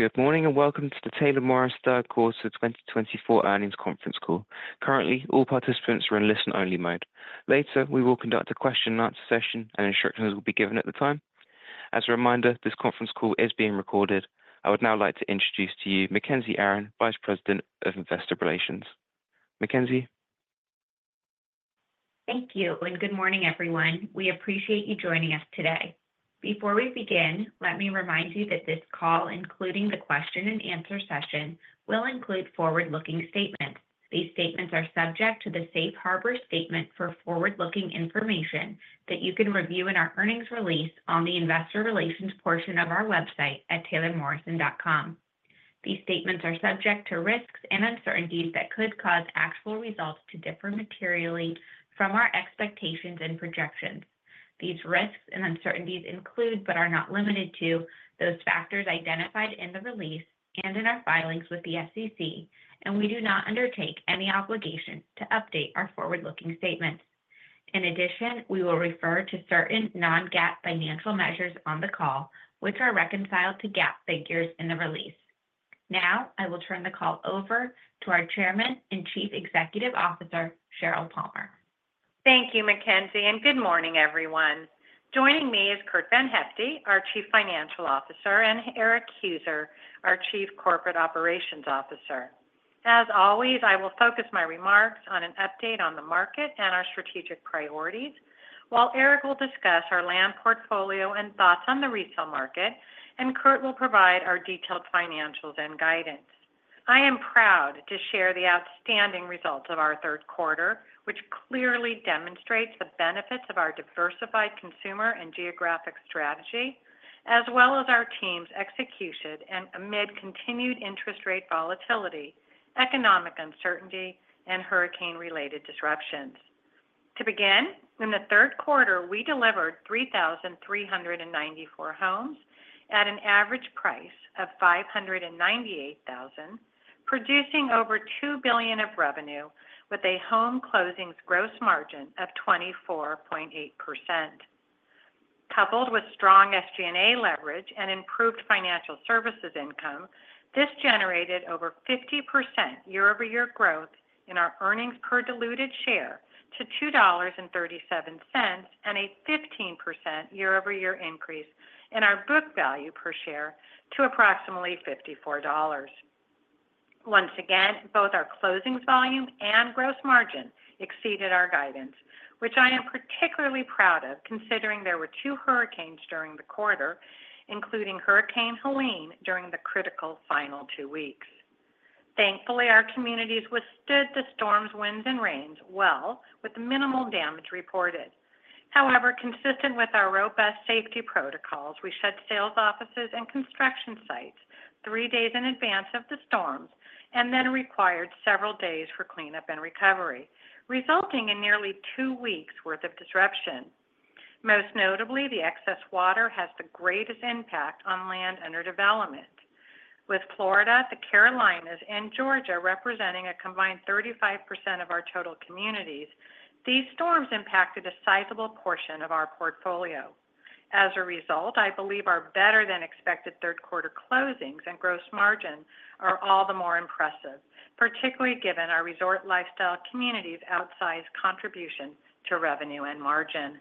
Good morning, and welcome to the Taylor Morrison Third Quarter Twenty Twenty-four Earnings Conference Call. Currently, all participants are in listen-only mode. Later, we will conduct a question-and-answer session, and instructions will be given at the time. As a reminder, this conference call is being recorded. I would now like to introduce to you Mackenzie Aron, Vice President of Investor Relations. Mackenzie? Thank you, and good morning, everyone. We appreciate you joining us today. Before we begin, let me remind you that this call, including the question and answer session, will include forward-looking statements. These statements are subject to the safe harbor statement for forward-looking information that you can review in our earnings release on the investor relations portion of our website at taylormorrison.com. These statements are subject to risks and uncertainties that could cause actual results to differ materially from our expectations and projections. These risks and uncertainties include, but are not limited to, those factors identified in the release and in our filings with the SEC, and we do not undertake any obligation to update our forward-looking statements. In addition, we will refer to certain non-GAAP financial measures on the call, which are reconciled to GAAP figures in the release Now, I will turn the call over to our Chairman and Chief Executive Officer, Sheryl Palmer. Thank you, Mackenzie, and good morning, everyone. Joining me is Curt VanHyfte, our Chief Financial Officer, and Erik Heuser, our Chief Corporate Operations Officer. As always, I will focus my remarks on an update on the market and our strategic priorities, while Erik will discuss our land portfolio and thoughts on the resale market, and Kurt will provide our detailed financials and guidance. I am proud to share the outstanding results of our third quarter, which clearly demonstrates the benefits of our diversified consumer and geographic strategy, as well as our team's execution and amid continued interest rate volatility, economic uncertainty, and hurricane-related disruptions. To begin, in the third quarter, we delivered 3,394 homes at an average price of $598,000, producing over $2 billion of revenue with a home closings gross margin of 24.8%. Coupled with strong SG&A leverage and improved financial services income, this generated over 50% year-over-year growth in our earnings per diluted share to $2.37, and a 15% year-over-year increase in our book value per share to approximately $54. Once again, both our closings volume and gross margin exceeded our guidance, which I am particularly proud of, considering there were two hurricanes during the quarter, including Hurricane Helene, during the critical final two weeks. Thankfully, our communities withstood the storm's winds and rains well, with minimal damage reported. However, consistent with our robust safety protocols, we shut sales offices and construction sites three days in advance of the storms and then required several days for cleanup and recovery, resulting in nearly two weeks' worth of disruption. Most notably, the excess water has the greatest impact on land under development. With Florida, the Carolinas, and Georgia representing a combined 35% of our total communities, these storms impacted a sizable portion of our portfolio. As a result, I believe our better-than-expected third quarter closings and gross margin are all the more impressive, particularly given our resort lifestyle communities' outsized contribution to revenue and margin.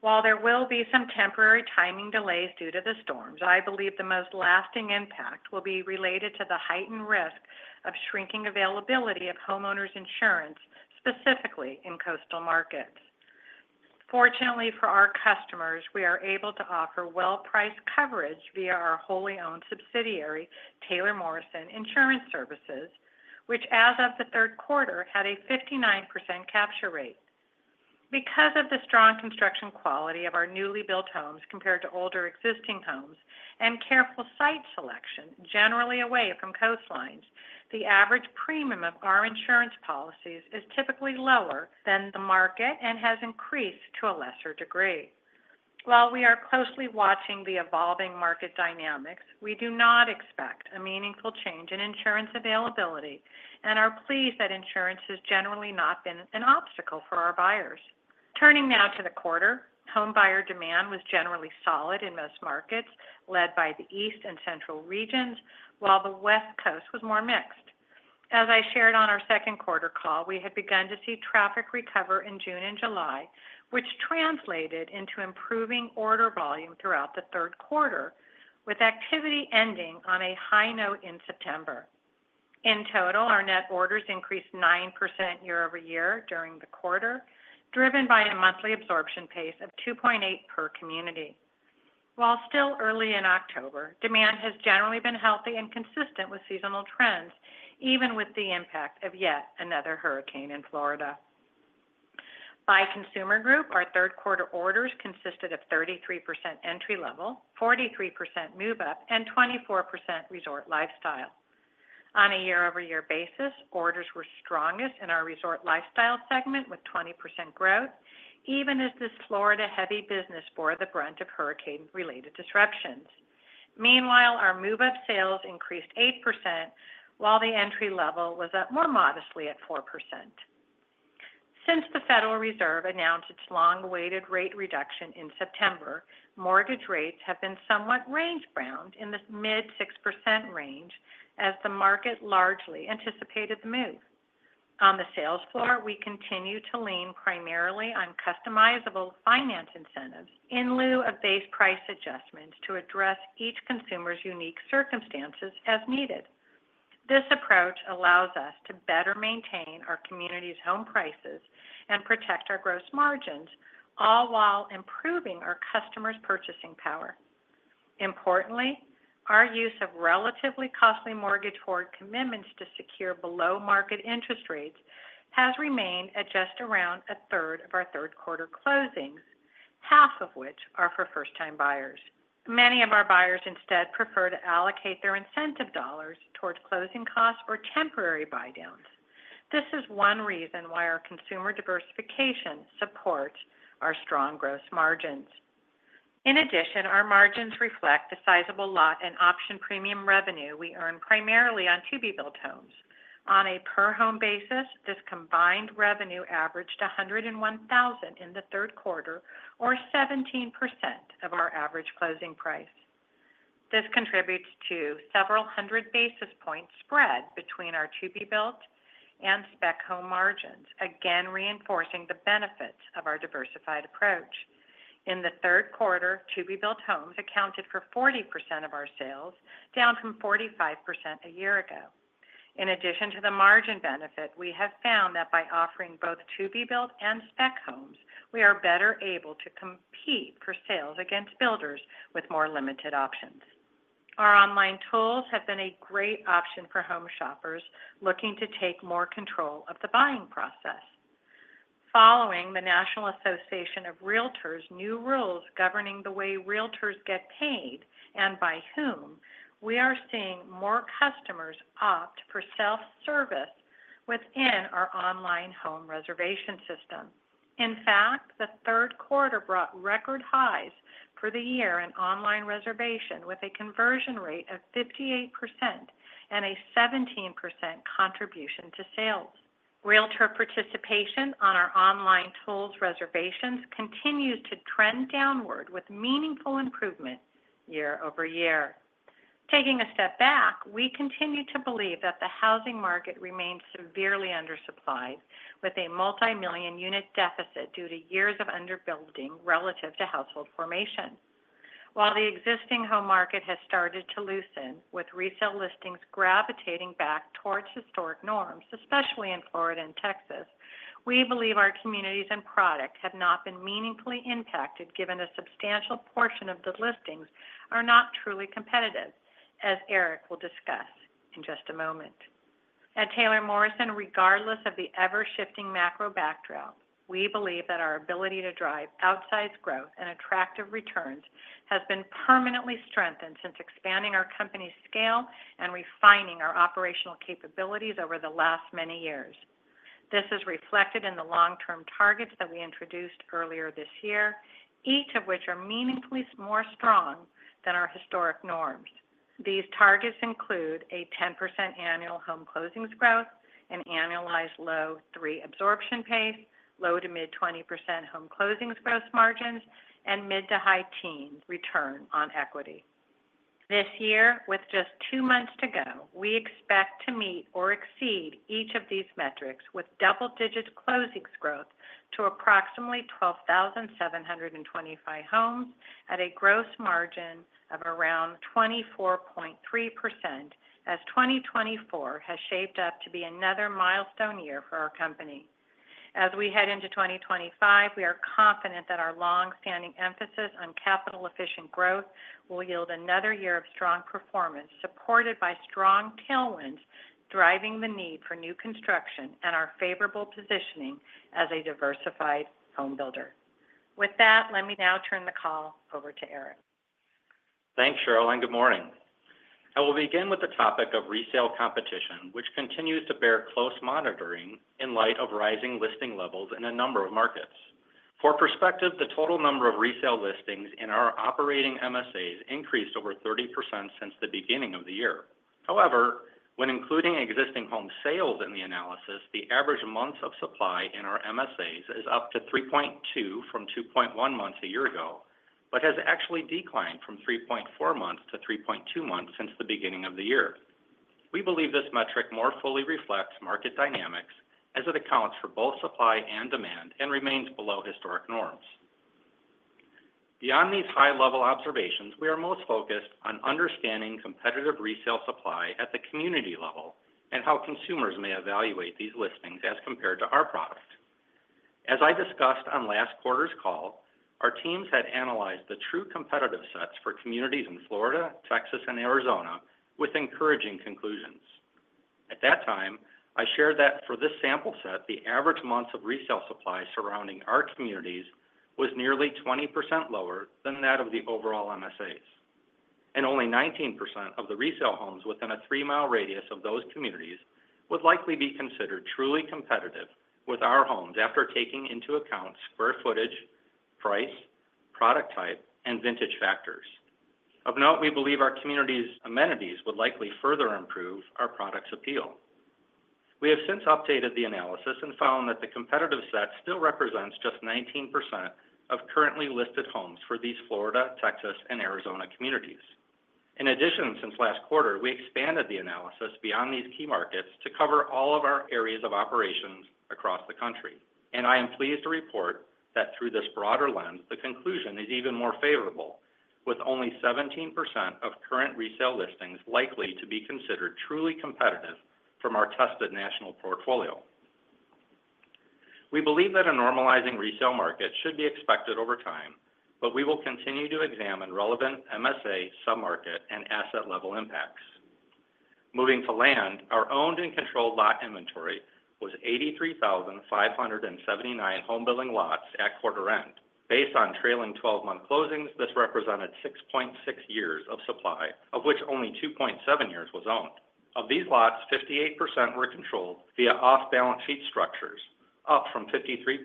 While there will be some temporary timing delays due to the storms, I believe the most lasting impact will be related to the heightened risk of shrinking availability of homeowners insurance, specifically in coastal markets. Fortunately for our customers, we are able to offer well-priced coverage via our wholly owned subsidiary, Taylor Morrison Insurance Services, which, as of the third quarter, had a 59% capture rate. Because of the strong construction quality of our newly built homes compared to older existing homes and careful site selection, generally away from coastlines, the average premium of our insurance policies is typically lower than the market and has increased to a lesser degree. While we are closely watching the evolving market dynamics, we do not expect a meaningful change in insurance availability and are pleased that insurance has generally not been an obstacle for our buyers. Turning now to the quarter, homebuyer demand was generally solid in most markets, led by the East and Central regions, while the West Coast was more mixed. As I shared on our second quarter call, we had begun to see traffic recover in June and July, which translated into improving order volume throughout the third quarter, with activity ending on a high note in September. In total, our net orders increased 9% year over year during the quarter, driven by a monthly absorption pace of 2.8 per community. While still early in October, demand has generally been healthy and consistent with seasonal trends, even with the impact of yet another hurricane in Florida. By consumer group, our third quarter orders consisted of 33% entry level, 43% move-up, and 24% resort lifestyle. On a year-over-year basis, orders were strongest in our resort lifestyle segment, with 20% growth, even as this Florida-heavy business bore the brunt of hurricane-related disruptions. Meanwhile, our move-up sales increased 8%, while the entry level was up more modestly at 4%. Since the Federal Reserve announced its long-awaited rate reduction in September, mortgage rates have been somewhat range-bound in the mid-6% range as the market largely anticipated the move. On the sales floor, we continue to lean primarily on customizable finance incentives in lieu of base price adjustments to address each consumer's unique circumstances as needed. This approach allows us to better maintain our community's home prices and protect our gross margins, all while improving our customers' purchasing power. Importantly, our use of relatively costly mortgage forward commitments to secure below-market interest rates has remained at just around a third of our third quarter closings, half of which are for first-time buyers. Many of our buyers instead prefer to allocate their incentive dollars towards closing costs or temporary buydowns. This is one reason why our consumer diversification supports our strong gross margins. In addition, our margins reflect the sizable lot and option premium revenue we earn primarily on to-be-built homes. On a per-home basis, this combined revenue averaged $101,000 in the third quarter, or 17% of our average closing price. This contributes to several hundred basis points spread between our to-be-built and spec home margins, again, reinforcing the benefits of our diversified approach. In the third quarter, to-be-built homes accounted for 40% of our sales, down from 45% a year ago. In addition to the margin benefit, we have found that by offering both to-be-built and spec homes, we are better able to compete for sales against builders with more limited options. Our online tools have been a great option for home shoppers looking to take more control of the buying process. Following the National Association of Realtors' new rules governing the way realtors get paid and by whom, we are seeing more customers opt for self-service within our online home reservation system. In fact, the third quarter brought record highs for the year in online reservation, with a conversion rate of 58% and a 17% contribution to sales. Realtor participation on our online tools reservations continues to trend downward, with meaningful improvement year over year. Taking a step back, we continue to believe that the housing market remains severely undersupplied, with a multimillion-unit deficit due to years of under-building relative to household formation. While the existing home market has started to loosen, with resale listings gravitating back towards historic norms, especially in Florida and Texas, we believe our communities and products have not been meaningfully impacted, given a substantial portion of the listings are not truly competitive, as Eric will discuss in just a moment. At Taylor Morrison, regardless of the ever-shifting macro backdrop, we believe that our ability to drive outsized growth and attractive returns has been permanently strengthened since expanding our company's scale and refining our operational capabilities over the last many years. This is reflected in the long-term targets that we introduced earlier this year, each of which are meaningfully more strong than our historic norms. These targets include a 10% annual home closings growth, an annualized low-three absorption pace, low- to mid-20% home closings gross margins, and mid- to high-teens return on equity. This year, with just two months to go, we expect to meet or exceed each of these metrics, with double-digit closings growth to approximately 12,725 homes at a gross margin of around 24.3%, as 2024 has shaped up to be another milestone year for our company. As we head into 2025, we are confident that our long-standing emphasis on capital-efficient growth will yield another year of strong performance, supported by strong tailwinds, driving the need for new construction and our favorable positioning as a diversified home builder. With that, let me now turn the call over to Eric. Thanks, Sheryl, and good morning. I will begin with the topic of resale competition, which continues to bear close monitoring in light of rising listing levels in a number of markets. For perspective, the total number of resale listings in our operating MSAs increased over 30% since the beginning of the year. However, when including existing home sales in the analysis, the average months of supply in our MSAs is up to 3.2 from 2.1 months a year ago, but has actually declined from 3.4 months to 3.2 months since the beginning of the year. We believe this metric more fully reflects market dynamics as it accounts for both supply and demand and remains below historic norms. Beyond these high-level observations, we are most focused on understanding competitive resale supply at the community level and how consumers may evaluate these listings as compared to our product. As I discussed on last quarter's call, our teams had analyzed the true competitive sets for communities in Florida, Texas, and Arizona with encouraging conclusions. At that time, I shared that for this sample set, the average months of resale supply surrounding our communities was nearly 20% lower than that of the overall MSAs, and only 19% of the resale homes within a three-mile radius of those communities would likely be considered truly competitive with our homes after taking into account square footage, price, product type, and vintage factors. Of note, we believe our community's amenities would likely further improve our product's appeal. We have since updated the analysis and found that the competitive set still represents just 19% of currently listed homes for these Florida, Texas, and Arizona communities. In addition, since last quarter, we expanded the analysis beyond these key markets to cover all of our areas of operations across the country, and I am pleased to report that through this broader lens, the conclusion is even more favorable, with only 17% of current resale listings likely to be considered truly competitive from our tested national portfolio. We believe that a normalizing resale market should be expected over time, but we will continue to examine relevant MSA, sub-market, and asset level impacts. Moving to land, our owned and controlled lot inventory was 83,579 home building lots at quarter end. Based on trailing twelve-month closings, this represented 6.6 years of supply, of which only 2.7 years was owned. Of these lots, 58% were controlled via off-balance sheet structures, up from 53%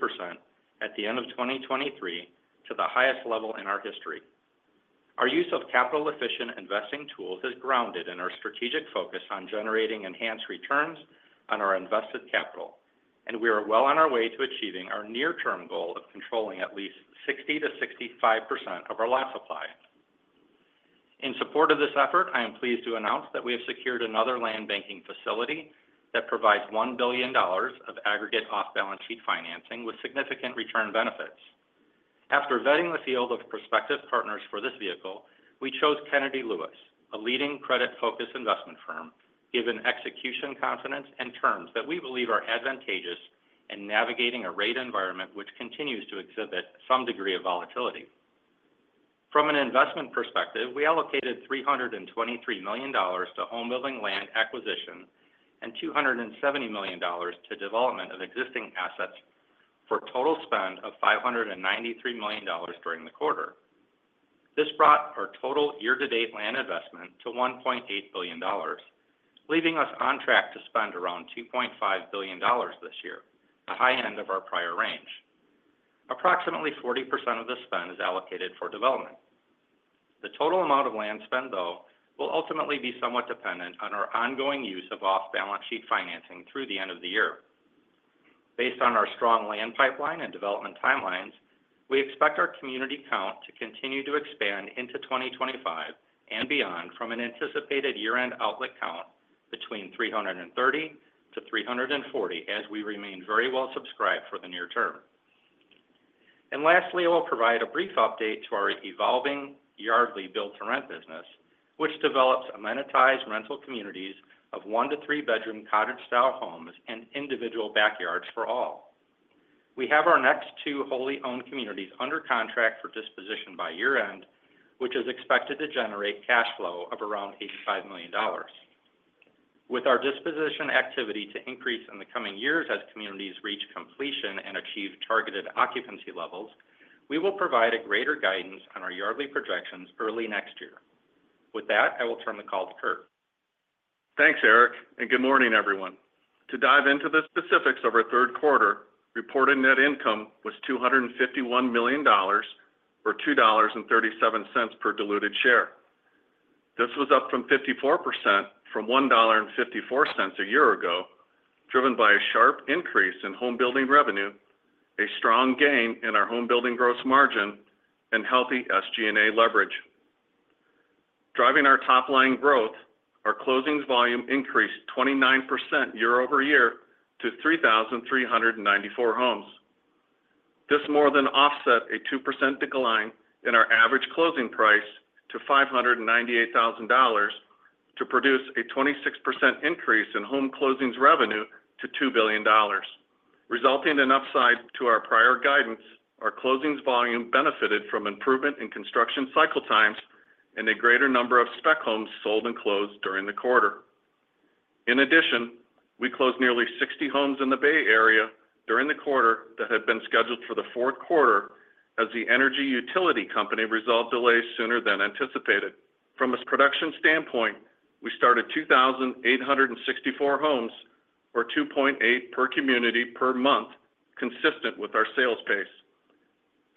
at the end of 2023, to the highest level in our history. Our use of capital-efficient investing tools is grounded in our strategic focus on generating enhanced returns on our invested capital, and we are well on our way to achieving our near-term goal of controlling at least 60%-65% of our lot supply. In support of this effort, I am pleased to announce that we have secured another land banking facility that provides $1 billion of aggregate off-balance sheet financing with significant return benefits. After vetting the field of prospective partners for this vehicle, we chose Kennedy Lewis, a leading credit-focused investment firm, given execution, confidence, and terms that we believe are advantageous in navigating a rate environment which continues to exhibit some degree of volatility. From an investment perspective, we allocated $323 million to home building land acquisition and $270 million to development of existing assets for a total spend of $593 million during the quarter. This brought our total year-to-date land investment to $1.8 billion, leaving us on track to spend around $2.5 billion this year, the high end of our prior range. Approximately 40% of the spend is allocated for development. The total amount of land spend, though, will ultimately be somewhat dependent on our ongoing use of off-balance sheet financing through the end of the year. Based on our strong land pipeline and development timelines, we expect our community count to continue to expand into 2025 and beyond from an anticipated year-end outlet count between 330-340, as we remain very well subscribed for the near term. And lastly, I will provide a brief update to our evolving Yardly build-to-rent business, which develops amenitized rental communities of one to three-bedroom cottage-style homes and individual backyards for all. We have our next two wholly-owned communities under contract for disposition by year-end, which is expected to generate cash flow of around $85 million. With our disposition activity to increase in the coming years as communities reach completion and achieve targeted occupancy levels, we will provide a greater guidance on our Yardly projections early next year. With that, I will turn the call to Curt. Thanks, Eric, and good morning, everyone. To dive into the specifics of our third quarter, reported net income was $251 million, or $2.37 per diluted share. This was up 54% from $1.54 a year ago, driven by a sharp increase in home building revenue, a strong gain in our home building gross margin, and healthy SG&A leverage. Driving our top-line growth, our closings volume increased 29% year over year to 3,394 homes. This more than offset a 2% decline in our average closing price to $598,000 to produce a 26% increase in home closings revenue to $2 billion. Resulting in an upside to our prior guidance, our closings volume benefited from improvement in construction cycle times and a greater number of spec homes sold and closed during the quarter. In addition, we closed nearly 60 homes in the Bay Area during the quarter that had been scheduled for the fourth quarter as the energy utility company resolved delays sooner than anticipated. From a production standpoint, we started 2,864 homes, or 2.8 per community per month, consistent with our sales pace.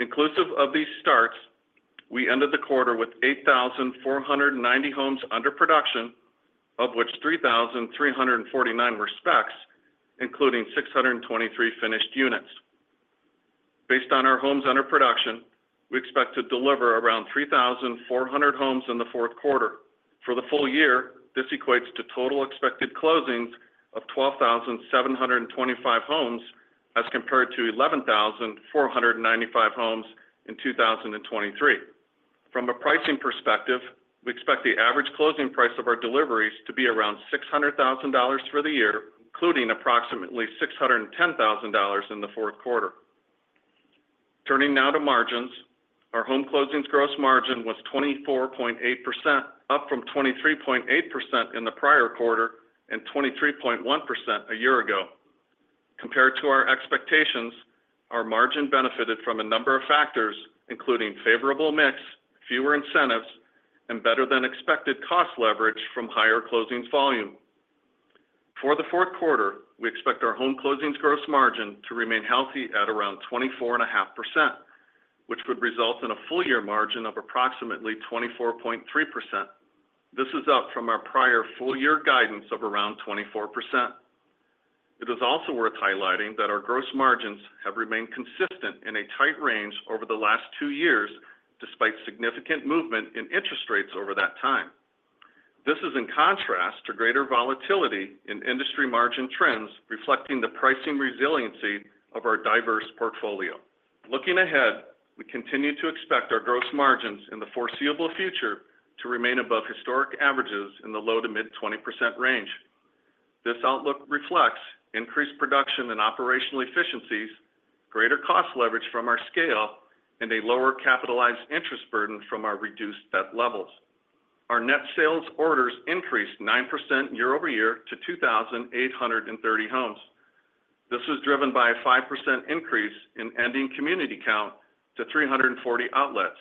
Inclusive of these starts, we ended the quarter with 8,490 homes under production, of which 3,349 were specs, including 623 finished units. Based on our homes under production, we expect to deliver around 3,400 homes in the fourth quarter. For the full year, this equates to total expected closings of 12,725 homes, as compared to 11,495 homes in 2023. From a pricing perspective, we expect the average closing price of our deliveries to be around $600,000 for the year, including approximately $610,000 in the fourth quarter. Turning now to margins. Our home closings gross margin was 24.8%, up from 23.8% in the prior quarter and 23.1% a year ago. Compared to our expectations, our margin benefited from a number of factors, including favorable mix, fewer incentives, and better than expected cost leverage from higher closings volume. For the fourth quarter, we expect our home closings gross margin to remain healthy at around 24.5%, which would result in a full-year margin of approximately 24.3%. This is up from our prior full-year guidance of around 24%. It is also worth highlighting that our gross margins have remained consistent in a tight range over the last two years, despite significant movement in interest rates over that time. This is in contrast to greater volatility in industry margin trends, reflecting the pricing resiliency of our diverse portfolio. Looking ahead, we continue to expect our gross margins in the foreseeable future to remain above historic averages in the low- to mid-20% range. This outlook reflects increased production and operational efficiencies, greater cost leverage from our scale, and a lower capitalized interest burden from our reduced debt levels. Our net sales orders increased 9% year over year to 2,800 homes. This was driven by a 5% increase in ending community count to 340 outlets,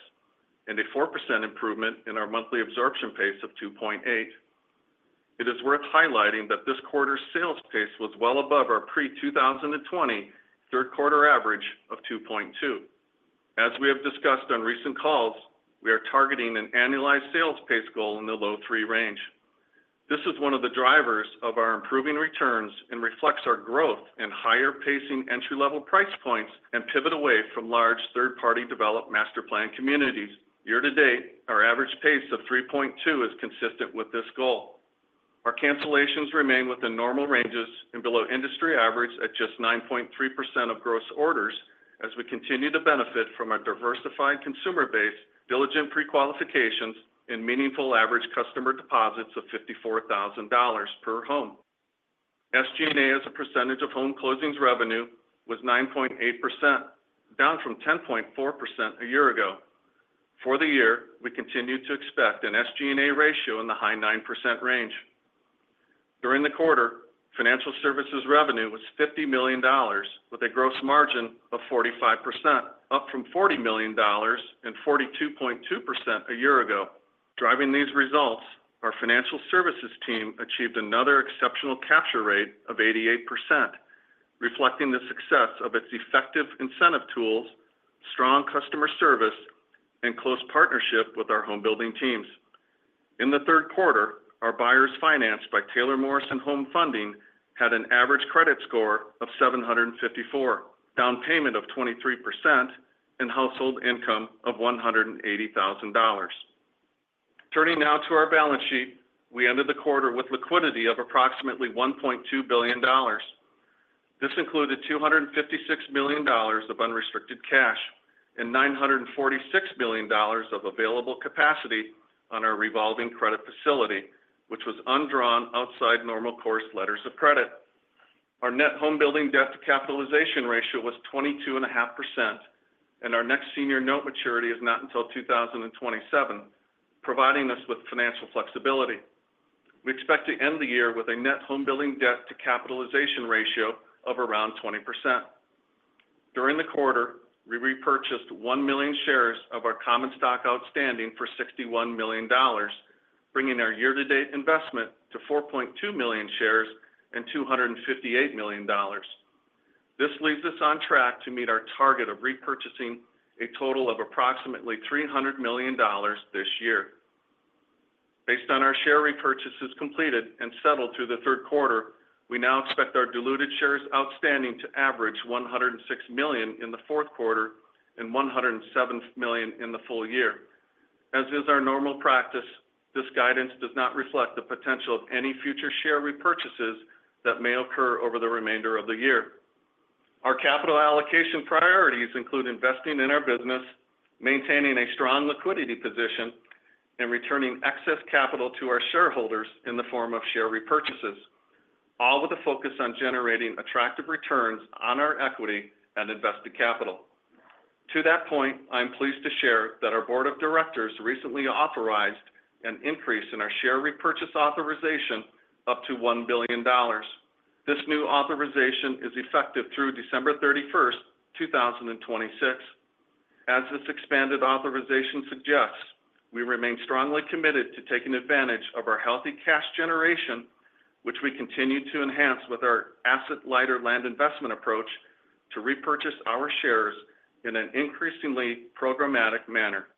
and a 4% improvement in our monthly absorption pace of 2.8. It is worth highlighting that this quarter's sales pace was well above our pre-2023 third quarter average of 2.2. As we have discussed on recent calls, we are targeting an annualized sales pace goal in the low three range. This is one of the drivers of our improving returns and reflects our growth in higher pacing entry-level price points and pivot away from large third-party developed master plan communities. Year to date, our average pace of 3.2 is consistent with this goal. Our cancellations remain within normal ranges and below industry average at just 9.3% of gross orders, as we continue to benefit from our diversified consumer base, diligent pre-qualifications, and meaningful average customer deposits of $54,000 per home. SG&A, as a percentage of home closings revenue, was 9.8%, down from 10.4% a year ago. For the year, we continue to expect an SG&A ratio in the high 9% range. During the quarter, financial services revenue was $50 million, with a gross margin of 45%, up from $40 million and 42.2% a year ago. Driving these results, our financial services team achieved another exceptional capture rate of 88%, reflecting the success of its effective incentive tools, strong customer service, and close partnership with our home building teams. In the third quarter, our buyers financed by Taylor Morrison Home Funding had an average credit score of 754, down payment of 23%, and household income of $180,000. Turning now to our balance sheet. We ended the quarter with liquidity of approximately $1.2 billion. This included $256 million of unrestricted cash and $946 million of available capacity on our revolving credit facility, which was undrawn outside normal course letters of credit. Our net home building debt to capitalization ratio was 22.5%, and our next senior note maturity is not until 2027, providing us with financial flexibility. We expect to end the year with a net home building debt to capitalization ratio of around 20%. During the quarter, we repurchased 1 million shares of our common stock outstanding for $61 million, bringing our year-to-date investment to 4.2 million shares and $258 million. This leaves us on track to meet our target of repurchasing a total of approximately $300 million this year. Based on our share repurchases completed and settled through the third quarter, we now expect our diluted shares outstanding to average 106 million in the fourth quarter and 107 million in the full year. As is our normal practice, this guidance does not reflect the potential of any future share repurchases that may occur over the remainder of the year. Our capital allocation priorities include investing in our business, maintaining a strong liquidity position, and returning excess capital to our shareholders in the form of share repurchases, all with a focus on generating attractive returns on our equity and invested capital. To that point, I am pleased to share that our board of directors recently authorized an increase in our share repurchase authorization up to $1 billion. This new authorization is effective through December thirty-first, 2026. As this expanded authorization suggests, we remain strongly committed to taking advantage of our healthy cash generation, which we continue to enhance with our asset-lighter land investment approach to repurchase our shares in an increasingly programmatic manner.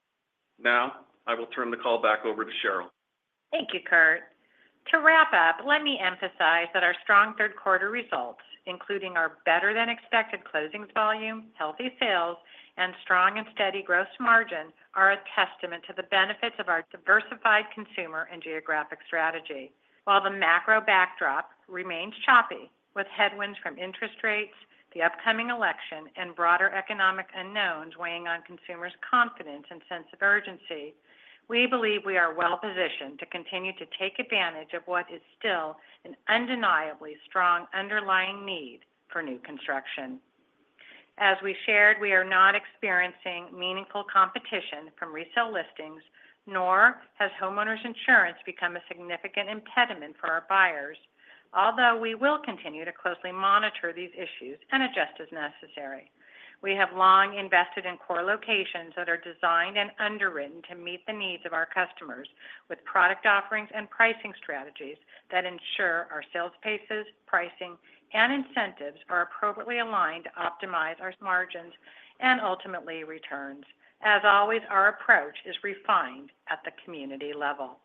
Now, I will turn the call back over to Sheryl. Thank you, Curt. To wrap up, let me emphasize that our strong third quarter results, including our better-than-expected closings volume, healthy sales, and strong and steady gross margin, are a testament to the benefits of our diversified consumer and geographic strategy. While the macro backdrop remains choppy, with headwinds from interest rates, the upcoming election, and broader economic unknowns weighing on consumers' confidence and sense of urgency, we believe we are well positioned to continue to take advantage of what is still an undeniably strong underlying need for new construction. As we shared, we are not experiencing meaningful competition from resale listings, nor has homeowners insurance become a significant impediment for our buyers. Although we will continue to closely monitor these issues and adjust as necessary. We have long invested in core locations that are designed and underwritten to meet the needs of our customers.... With product offerings and pricing strategies that ensure our sales paces, pricing, and incentives are appropriately aligned to optimize our margins and ultimately, returns. As always, our approach is refined at the community level.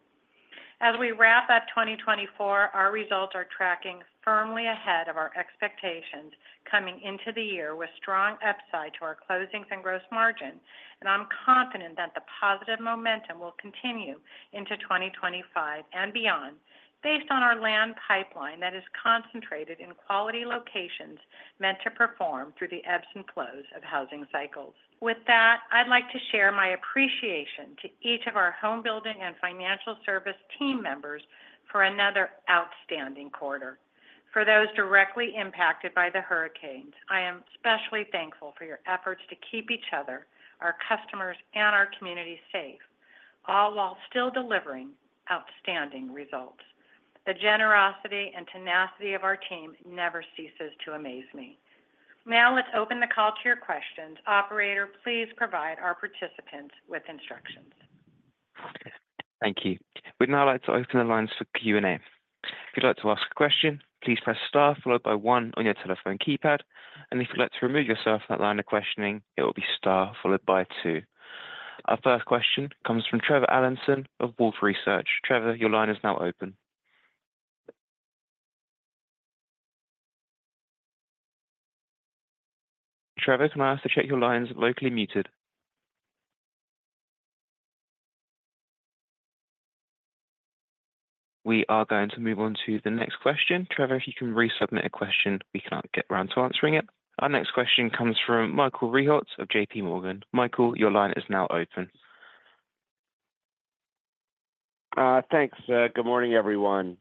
As we wrap up twenty twenty-four, our results are tracking firmly ahead of our expectations, coming into the year with strong upside to our closings and gross margin. And I'm confident that the positive momentum will continue into twenty twenty-five and beyond, based on our land pipeline that is concentrated in quality locations meant to perform through the ebbs and flows of housing cycles. With that, I'd like to share my appreciation to each of our home building and financial service team members for another outstanding quarter. For those directly impacted by the hurricanes, I am especially thankful for your efforts to keep each other, our customers, and our community safe, all while still delivering outstanding results. The generosity and tenacity of our team never ceases to amaze me. Now, let's open the call to your questions. Operator, please provide our participants with instructions. Thank you. We'd now like to open the lines for Q&A. If you'd like to ask a question, please press star followed by one on your telephone keypad, and if you'd like to remove yourself from that line of questioning, it will be star followed by two. Our first question comes from Trevor Allinson of Wolfe Research. Trevor, your line is now open. Trevor, can I ask to check your line is locally muted? We are going to move on to the next question. Trevor, if you can resubmit a question, we cannot get around to answering it. Our next question comes from Michael Rehaut of J.P. Morgan. Michael, your line is now open. Thanks. Good morning, everyone.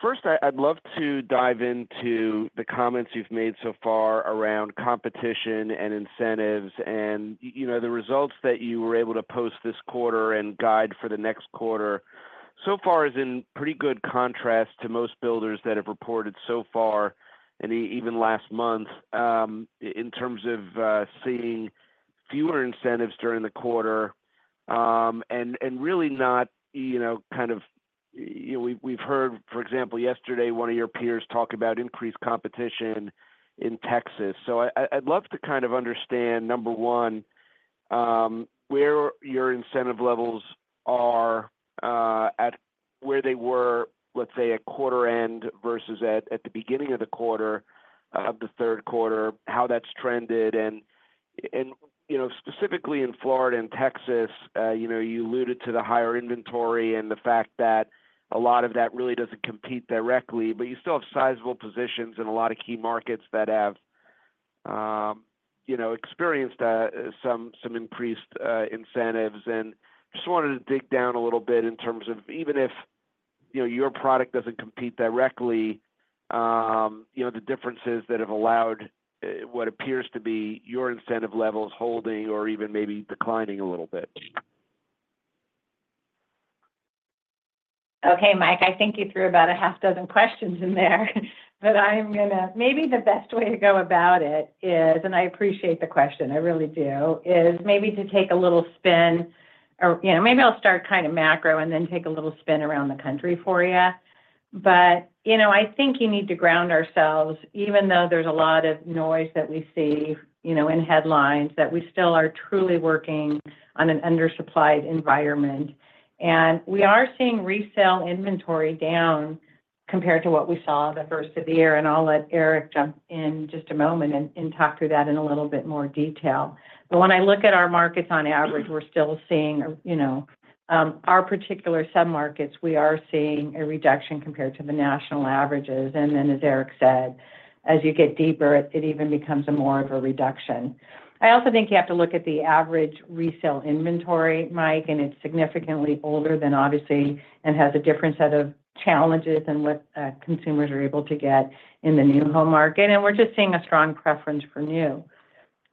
First, I'd love to dive into the comments you've made so far around competition and incentives and, you know, the results that you were able to post this quarter and guide for the next quarter. So far is in pretty good contrast to most builders that have reported so far and even last month, in terms of seeing fewer incentives during the quarter, and really not, you know, kind of. You know, we've heard, for example, yesterday, one of your peers talk about increased competition in Texas. So I'd love to kind of understand, number one, where your incentive levels are at where they were, let's say, at quarter end versus at the beginning of the quarter, of the third quarter, how that's trended. You know, specifically in Florida and Texas, you know, you alluded to the higher inventory and the fact that a lot of that really doesn't compete directly, but you still have sizable positions in a lot of key markets that have, you know, experienced some increased incentives, and just wanted to dig down a little bit in terms of even if, you know, your product doesn't compete directly, you know, the differences that have allowed what appears to be your incentive levels holding or even maybe declining a little bit. Okay, Mike, I think you threw about a half dozen questions in there, but I'm gonna. Maybe the best way to go about it is, and I appreciate the question, I really do, is maybe to take a little spin or, you know, maybe I'll start kind of macro and then take a little spin around the country for you. But, you know, I think you need to ground ourselves, even though there's a lot of noise that we see, you know, in headlines, that we still are truly working on an undersupplied environment. And we are seeing resale inventory down compared to what we saw the first of the year, and I'll let Eric jump in just a moment and talk through that in a little bit more detail. When I look at our markets on average, we're still seeing, you know, our particular submarkets, we are seeing a reduction compared to the national averages. Then, as Eric said, as you get deeper, it even becomes even more of a reduction. I also think you have to look at the average resale inventory, Mike, and it's significantly older than, obviously, and has a different set of challenges than what consumers are able to get in the new home market. We're just seeing a strong preference for new.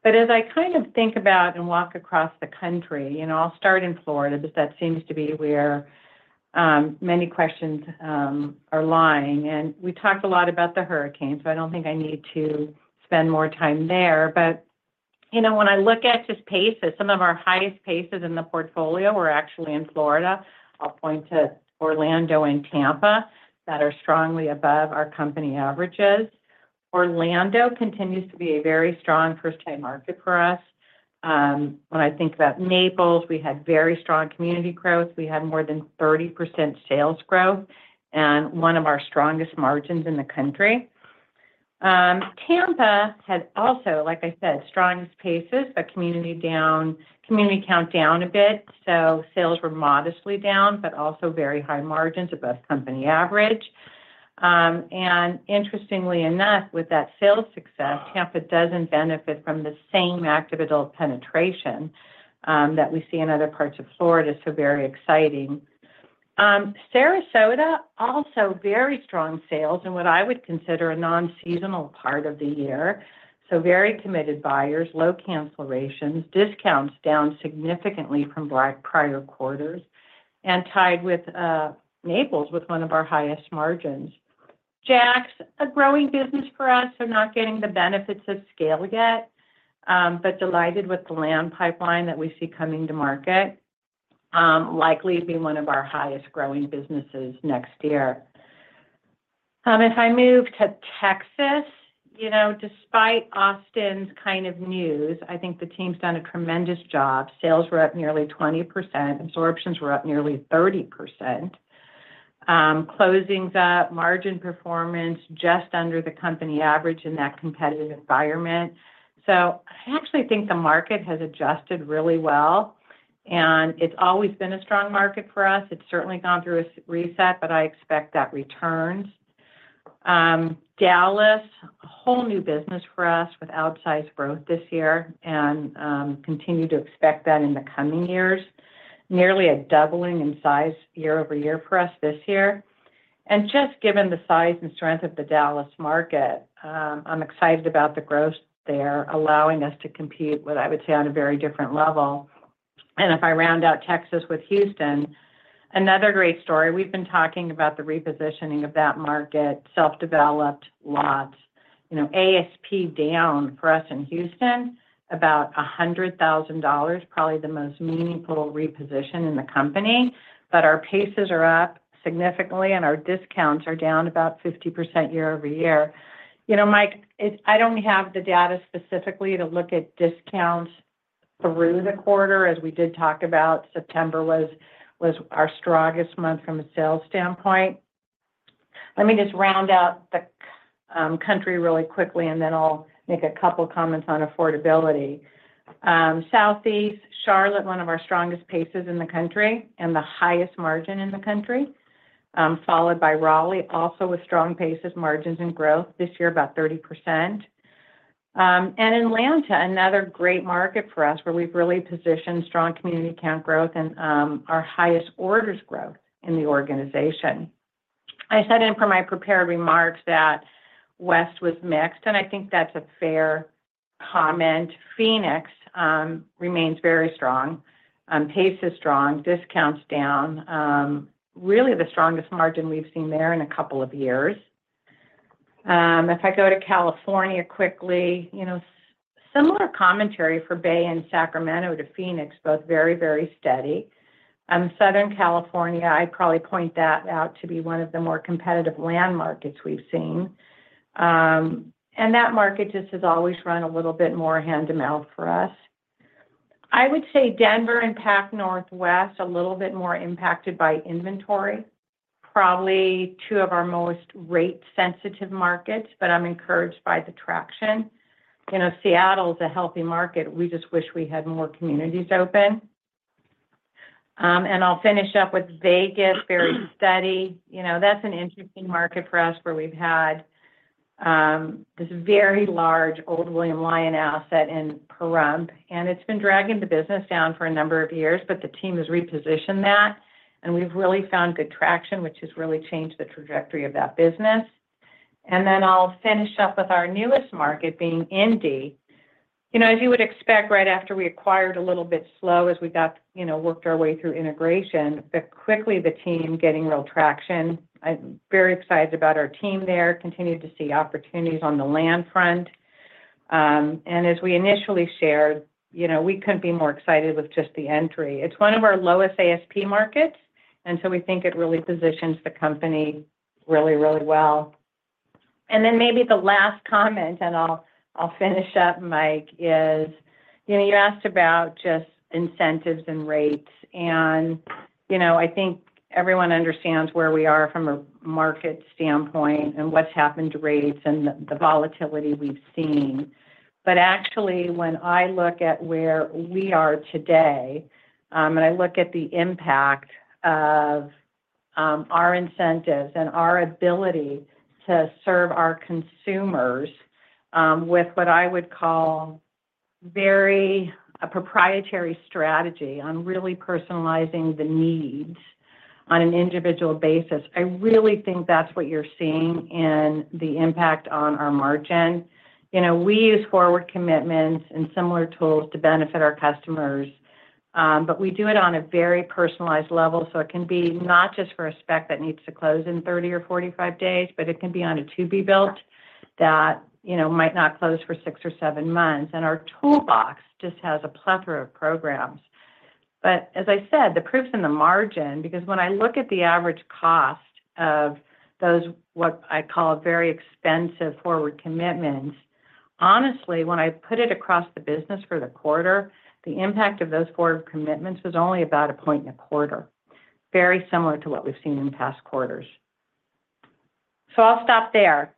As I kind of think about and walk across the country, and I'll start in Florida, because that seems to be where many questions lie. We talked a lot about the hurricanes, so I don't think I need to spend more time there. But, you know, when I look at just paces, some of our highest paces in the portfolio were actually in Florida. I'll point to Orlando and Tampa, that are strongly above our company averages. Orlando continues to be a very strong first-time market for us. When I think about Naples, we had very strong community growth. We had more than 30% sales growth and one of our strongest margins in the country. Tampa has also, like I said, strongest paces, but community count down a bit, so sales were modestly down, but also very high margins above company average. And interestingly enough, with that sales success, Tampa doesn't benefit from the same active adult penetration, that we see in other parts of Florida, so very exciting. Sarasota, also very strong sales in what I would consider a non-seasonal part of the year. So very committed buyers, low cancellations, discounts down significantly from our prior quarters, and tied with Naples, with one of our highest margins. Jax, a growing business for us, are not getting the benefits of scale yet, but delighted with the land pipeline that we see coming to market, likely to be one of our highest growing businesses next year. If I move to Texas, you know, despite Austin's kind of news, I think the team's done a tremendous job. Sales were up nearly 20%, absorptions were up nearly 30%. Closings up, margin performance just under the company average in that competitive environment. So I actually think the market has adjusted really well, and it's always been a strong market for us. It's certainly gone through a reset, but I expect that return. Dallas, a whole new business for us with outsized growth this year and continue to expect that in the coming years. Nearly a doubling in size year over year for us this year. And just given the size and strength of the Dallas market, I'm excited about the growth there, allowing us to compete with, I would say, on a very different level. And if I round out Texas with Houston, another great story. We've been talking about the repositioning of that market, self-developed lots. You know, ASP down for us in Houston, about $100,000, probably the most meaningful reposition in the company. But our paces are up significantly, and our discounts are down about 50% year over year. You know, Mike, I don't have the data specifically to look at discounts through the quarter, as we did talk about. September was our strongest month from a sales standpoint. Let me just round out the country really quickly, and then I'll make a couple comments on affordability. Southeast, Charlotte, one of our strongest paces in the country and the highest margin in the country, followed by Raleigh, also with strong paces, margins, and growth, this year about 30%. And Atlanta, another great market for us, where we've really positioned strong community count growth and our highest orders growth in the organization. I said in my prepared remarks that West was mixed, and I think that's a fair comment. Phoenix remains very strong. Pace is strong, discounts down, really the strongest margin we've seen there in a couple of years. If I go to California quickly, you know, similar commentary for Bay and Sacramento to Phoenix, both very, very steady. Southern California, I'd probably point that out to be one of the more competitive land markets we've seen. And that market just has always run a little bit more hand-to-mouth for us. I would say Denver and Pac Northwest, a little bit more impacted by inventory, probably two of our most rate-sensitive markets, but I'm encouraged by the traction. You know, Seattle is a healthy market. We just wish we had more communities open. And I'll finish up with Vegas, very steady. You know, that's an interesting market for us, where we've had this very large old William Lyon asset in Pahrump, and it's been dragging the business down for a number of years, but the team has repositioned that, and we've really found good traction, which has really changed the trajectory of that business, and then I'll finish up with our newest market, being Indy. You know, as you would expect, right after we acquired a little bit slow as we got you know, worked our way through integration, but quickly, the team getting real traction. I'm very excited about our team there, continue to see opportunities on the land front. And as we initially shared, you know, we couldn't be more excited with just the entry. It's one of our lowest ASP markets, and so we think it really positions the company really, really well. And then maybe the last comment, and I'll finish up, Mike, is you know, you asked about just incentives and rates. And, you know, I think everyone understands where we are from a market standpoint and what's happened to rates and the volatility we've seen. But actually, when I look at where we are today, and I look at the impact of our incentives and our ability to serve our consumers with what I would call very a proprietary strategy on really personalizing the needs on an individual basis, I really think that's what you're seeing in the impact on our margin. You know, we use forward commitments and similar tools to benefit our customers, but we do it on a very personalized level, so it can be not just for a spec that needs to close in 30 or 45 days, but it can be on a to-be-built that, you know, might not close for six or seven months. And our toolbox just has a plethora of programs. But as I said, the proof's in the margin, because when I look at the average cost of those, what I call very expensive forward commitments, honestly, when I put it across the business for the quarter, the impact of those forward commitments was only about a point in a quarter, very similar to what we've seen in past quarters. So I'll stop there.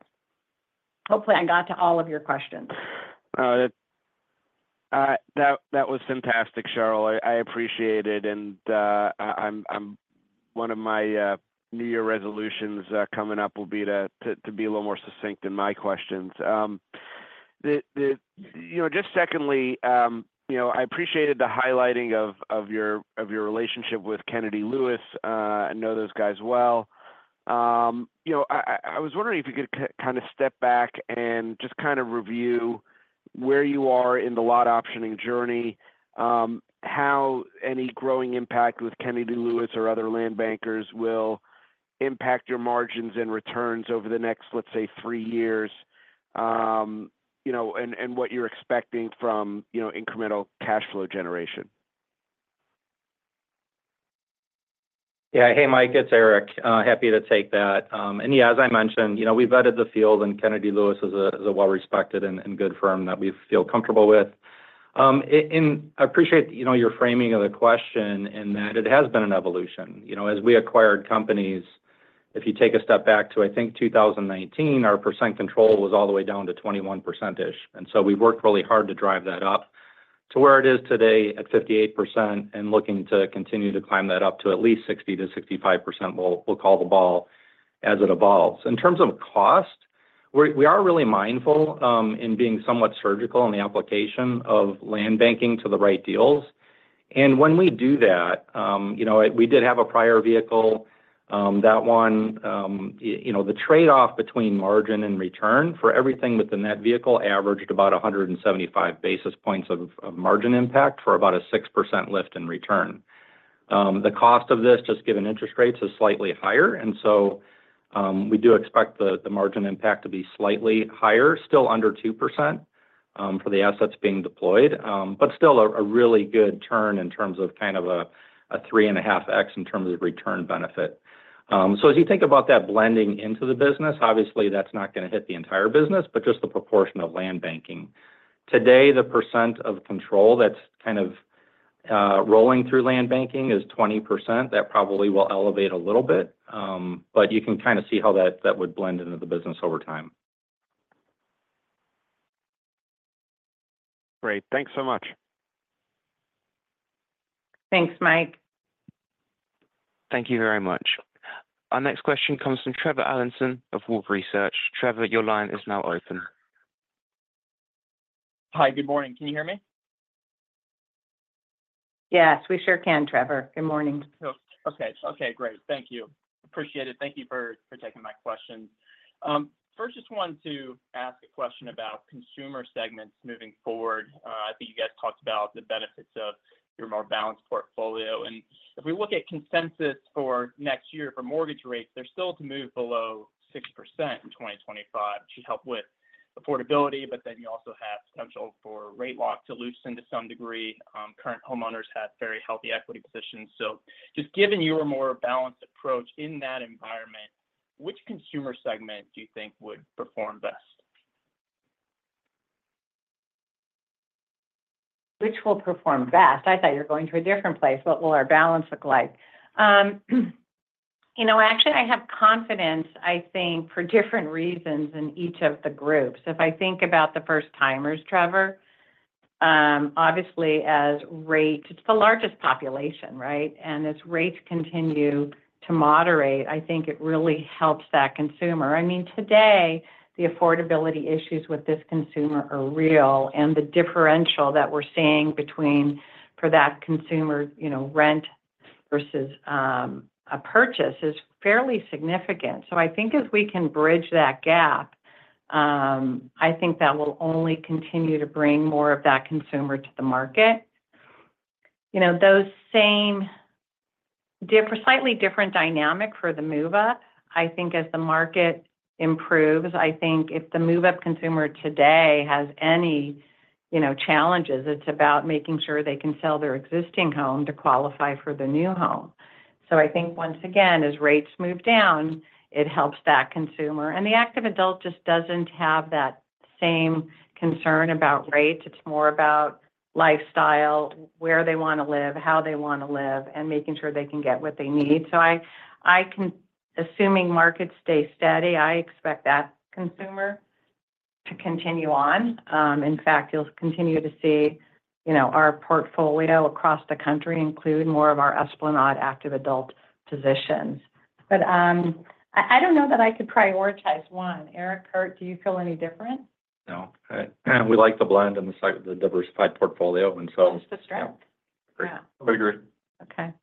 Hopefully, I got to all of your questions. All right. That was fantastic, Sheryl. I appreciate it, and I'm— One of my New Year resolutions coming up will be to be a little more succinct in my questions. You know, just secondly, you know, I appreciated the highlighting of your relationship with Kennedy Lewis. I know those guys well. You know, I was wondering if you could kind of step back and just kind of review where you are in the lot optioning journey, how any growing impact with Kennedy Lewis or other land bankers will impact your margins and returns over the next, let's say, three years, you know, and what you're expecting from incremental cash flow gen eration? Yeah. Hey, Mike, it's Eric. Happy to take that. And yeah, as I mentioned, you know, we've vetted the field, and Kennedy Lewis is a well-respected and good firm that we feel comfortable with. And I appreciate, you know, your framing of the question in that it has been an evolution. You know, as we acquired companies, if you take a step back to, I think, 2019, our lot control was all the way down to 21%-ish, and so we worked really hard to drive that up to where it is today at 58% and looking to continue to climb that up to at least 60-65%. We'll call the ball as it evolves. In terms of cost, we are really mindful in being somewhat surgical in the application of land banking to the right deals. And when we do that, you know, we did have a prior vehicle, that one, you know, the trade-off between margin and return for everything within that vehicle averaged about a hundred and seventy-five basis points of margin impact for about a 6% lift in return. The cost of this, just given interest rates, is slightly higher, and so, we do expect the margin impact to be slightly higher, still under 2%, for the assets being deployed. But still a really good turn in terms of kind of a three and a half X in terms of return benefit. So as you think about that blending into the business, obviously, that's not gonna hit the entire business, but just the proportion of land banking. Today, the percent of control that's kind of rolling through land banking is 20%. That probably will elevate a little bit, but you can kind of see how that, that would blend into the business over time. Great. Thanks so much. Thanks, Mike. Thank you very much. Our next question comes from Trevor Allinson of Wolfe Research. Trevor, your line is now open. Hi, good morning. Can you hear me? Yes, we sure can, Trevor. Good morning. Oh, okay. Okay, great. Thank you. Appreciate it. Thank you for, for taking my questions. First, just wanted to ask a question about consumer segments moving forward. I think you guys talked about the benefits of your more balanced portfolio, and if we look at consensus for next year for mortgage rates, they're still to move below 6% in twenty twenty-five, which should help with affordability, but then you also have potential for rate lock to loosen to some degree. Current homeowners have very healthy equity positions. So just given your more balanced approach in that environment, which consumer segment do you think would perform best? Which will perform best? I thought you were going to a different place. What will our balance look like? You know, actually, I have confidence, I think, for different reasons in each of the groups. If I think about the first timers, Trevor, obviously, as rates... It's the largest population, right? And as rates continue to moderate, I think it really helps that consumer. I mean, today, the affordability issues with this consumer are real, and the differential that we're seeing between, for that consumer, you know, rent versus, a purchase is fairly significant. So I think if we can bridge that gap, I think that will only continue to bring more of that consumer to the market. You know, those same slightly different dynamic for the move-up. I think as the market improves, I think if the move-up consumer today has any, you know, challenges, it's about making sure they can sell their existing home to qualify for the new home. So I think, once again, as rates move down, it helps that consumer. And the active adult just doesn't have that same concern about rates. It's more about lifestyle, where they wanna live, how they wanna live, and making sure they can get what they need. So I can, assuming markets stay steady, I expect that consumer to continue on. In fact, you'll continue to see, you know, our portfolio across the country include more of our Esplanade active adult positions. But, I don't know that I could prioritize one. Eric, Kurt, do you feel any different? No. We like the blend and the site, the diversified portfolio, and so- That's the strength. Yeah. Yeah. Agreed. Okay.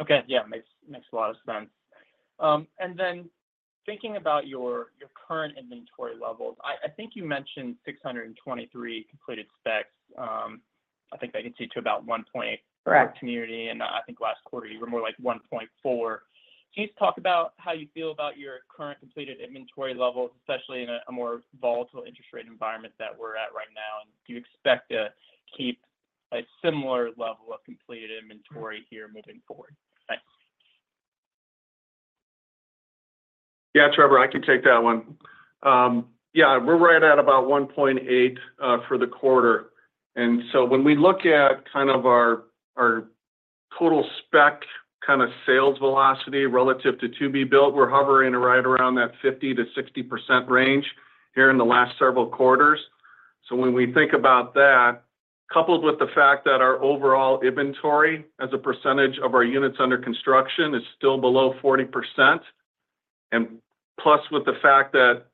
Okay, yeah. Makes a lot of sense. And then thinking about your current inventory levels, I think you mentioned 623 completed specs. I think that could take to about 1 point- Correct per community, and I think last quarter, you were more like one point four. Can you just talk about how you feel about your current completed inventory levels, especially in a more volatile interest rate environment that we're at right now, and do you expect to keep a similar level of completed inventory here moving forward? Thanks. Yeah, Trevor, I can take that one. Yeah, we're right at about 1.8 for the quarter. And so when we look at kind of our total spec kind of sales velocity relative to to-be-built, we're hovering right around that 50%-60% range here in the last several quarters. So when we think about that, coupled with the fact that our overall inventory as a percentage of our units under construction is still below 40%, and plus with the fact that,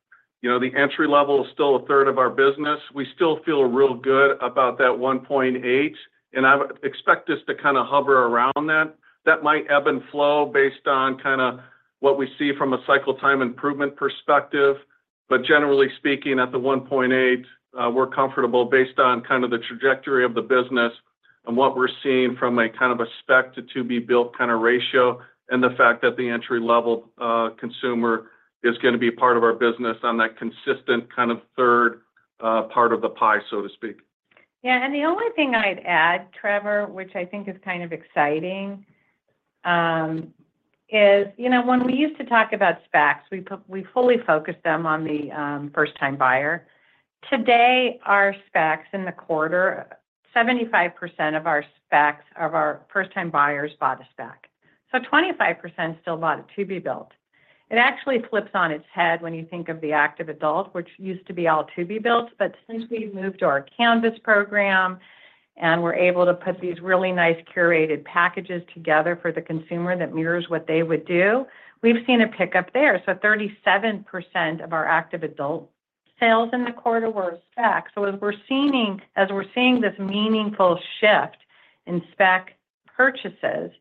you know, the entry level is still a third of our business, we still feel real good about that 1.8, and I would expect this to kind of hover around that. That might ebb and flow based on kind of what we see from a cycle time improvement perspective. But generally speaking, at the one point eight, we're comfortable based on kind of the trajectory of the business and what we're seeing from a kind of a spec to to-be-built kind of ratio, and the fact that the entry-level consumer is gonna be a part of our business on that consistent kind of third part of the pie, so to speak. Yeah, and the only thing I'd add, Trevor, which I think is kind of exciting, is, you know, when we used to talk about specs, we fully focused them on the first-time buyer. Today, our specs in the quarter, 75% of our specs, of our first-time buyers bought a spec, so 25% still bought a to-be-built. It actually flips on its head when you think of the active adult, which used to be all to be built. But since we've moved to our Canvas program and we're able to put these really nice curated packages together for the consumer that mirrors what they would do, we've seen a pickup there. So 37% of our active adult sales in the quarter were specs. So as we're seeing this meaningful shift in spec purchases,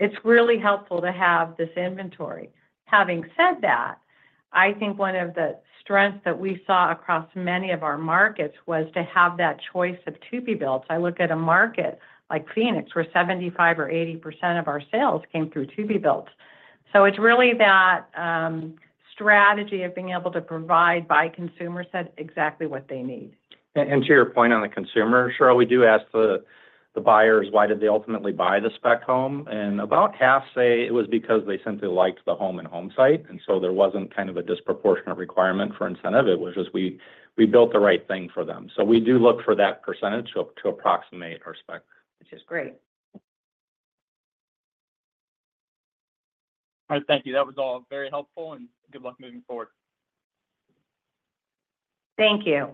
it's really helpful to have this inventory. Having said that, I think one of the strengths that we saw across many of our markets was to have that choice of to-be-builts. I look at a market like Phoenix, where 75% or 80% of our sales came through to-be-builts. So it's really that strategy of being able to provide, by consumer set, exactly what they need. To your point on the consumer, Sheryl, we do ask the buyers why did they ultimately buy the spec home? About half say it was because they simply liked the home and homesite, so here wasn't kind of a disproportionate requirement for incentive. It was just we built the right thing for them, so we do look for that percentage to approximate our spec. Which is great. All right, thank you. That was all very helpful, and good luck moving forward. Thank you.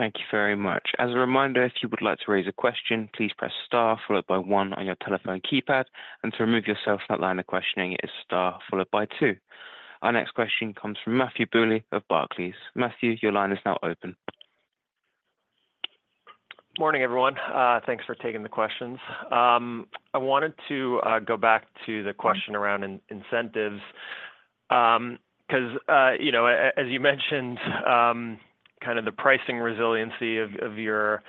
Thank you very much. As a reminder, if you would like to raise a question, please press Star followed by one on your telephone keypad, and to remove yourself from that line of questioning, it is Star followed by two. Our next question comes from Matthew Bouley of Barclays. Matthew, your line is now open. Morning, everyone. Thanks for taking the questions. I wanted to go back to the question around incentives, 'cause, you know, as you mentioned, kind of the pricing resiliency of your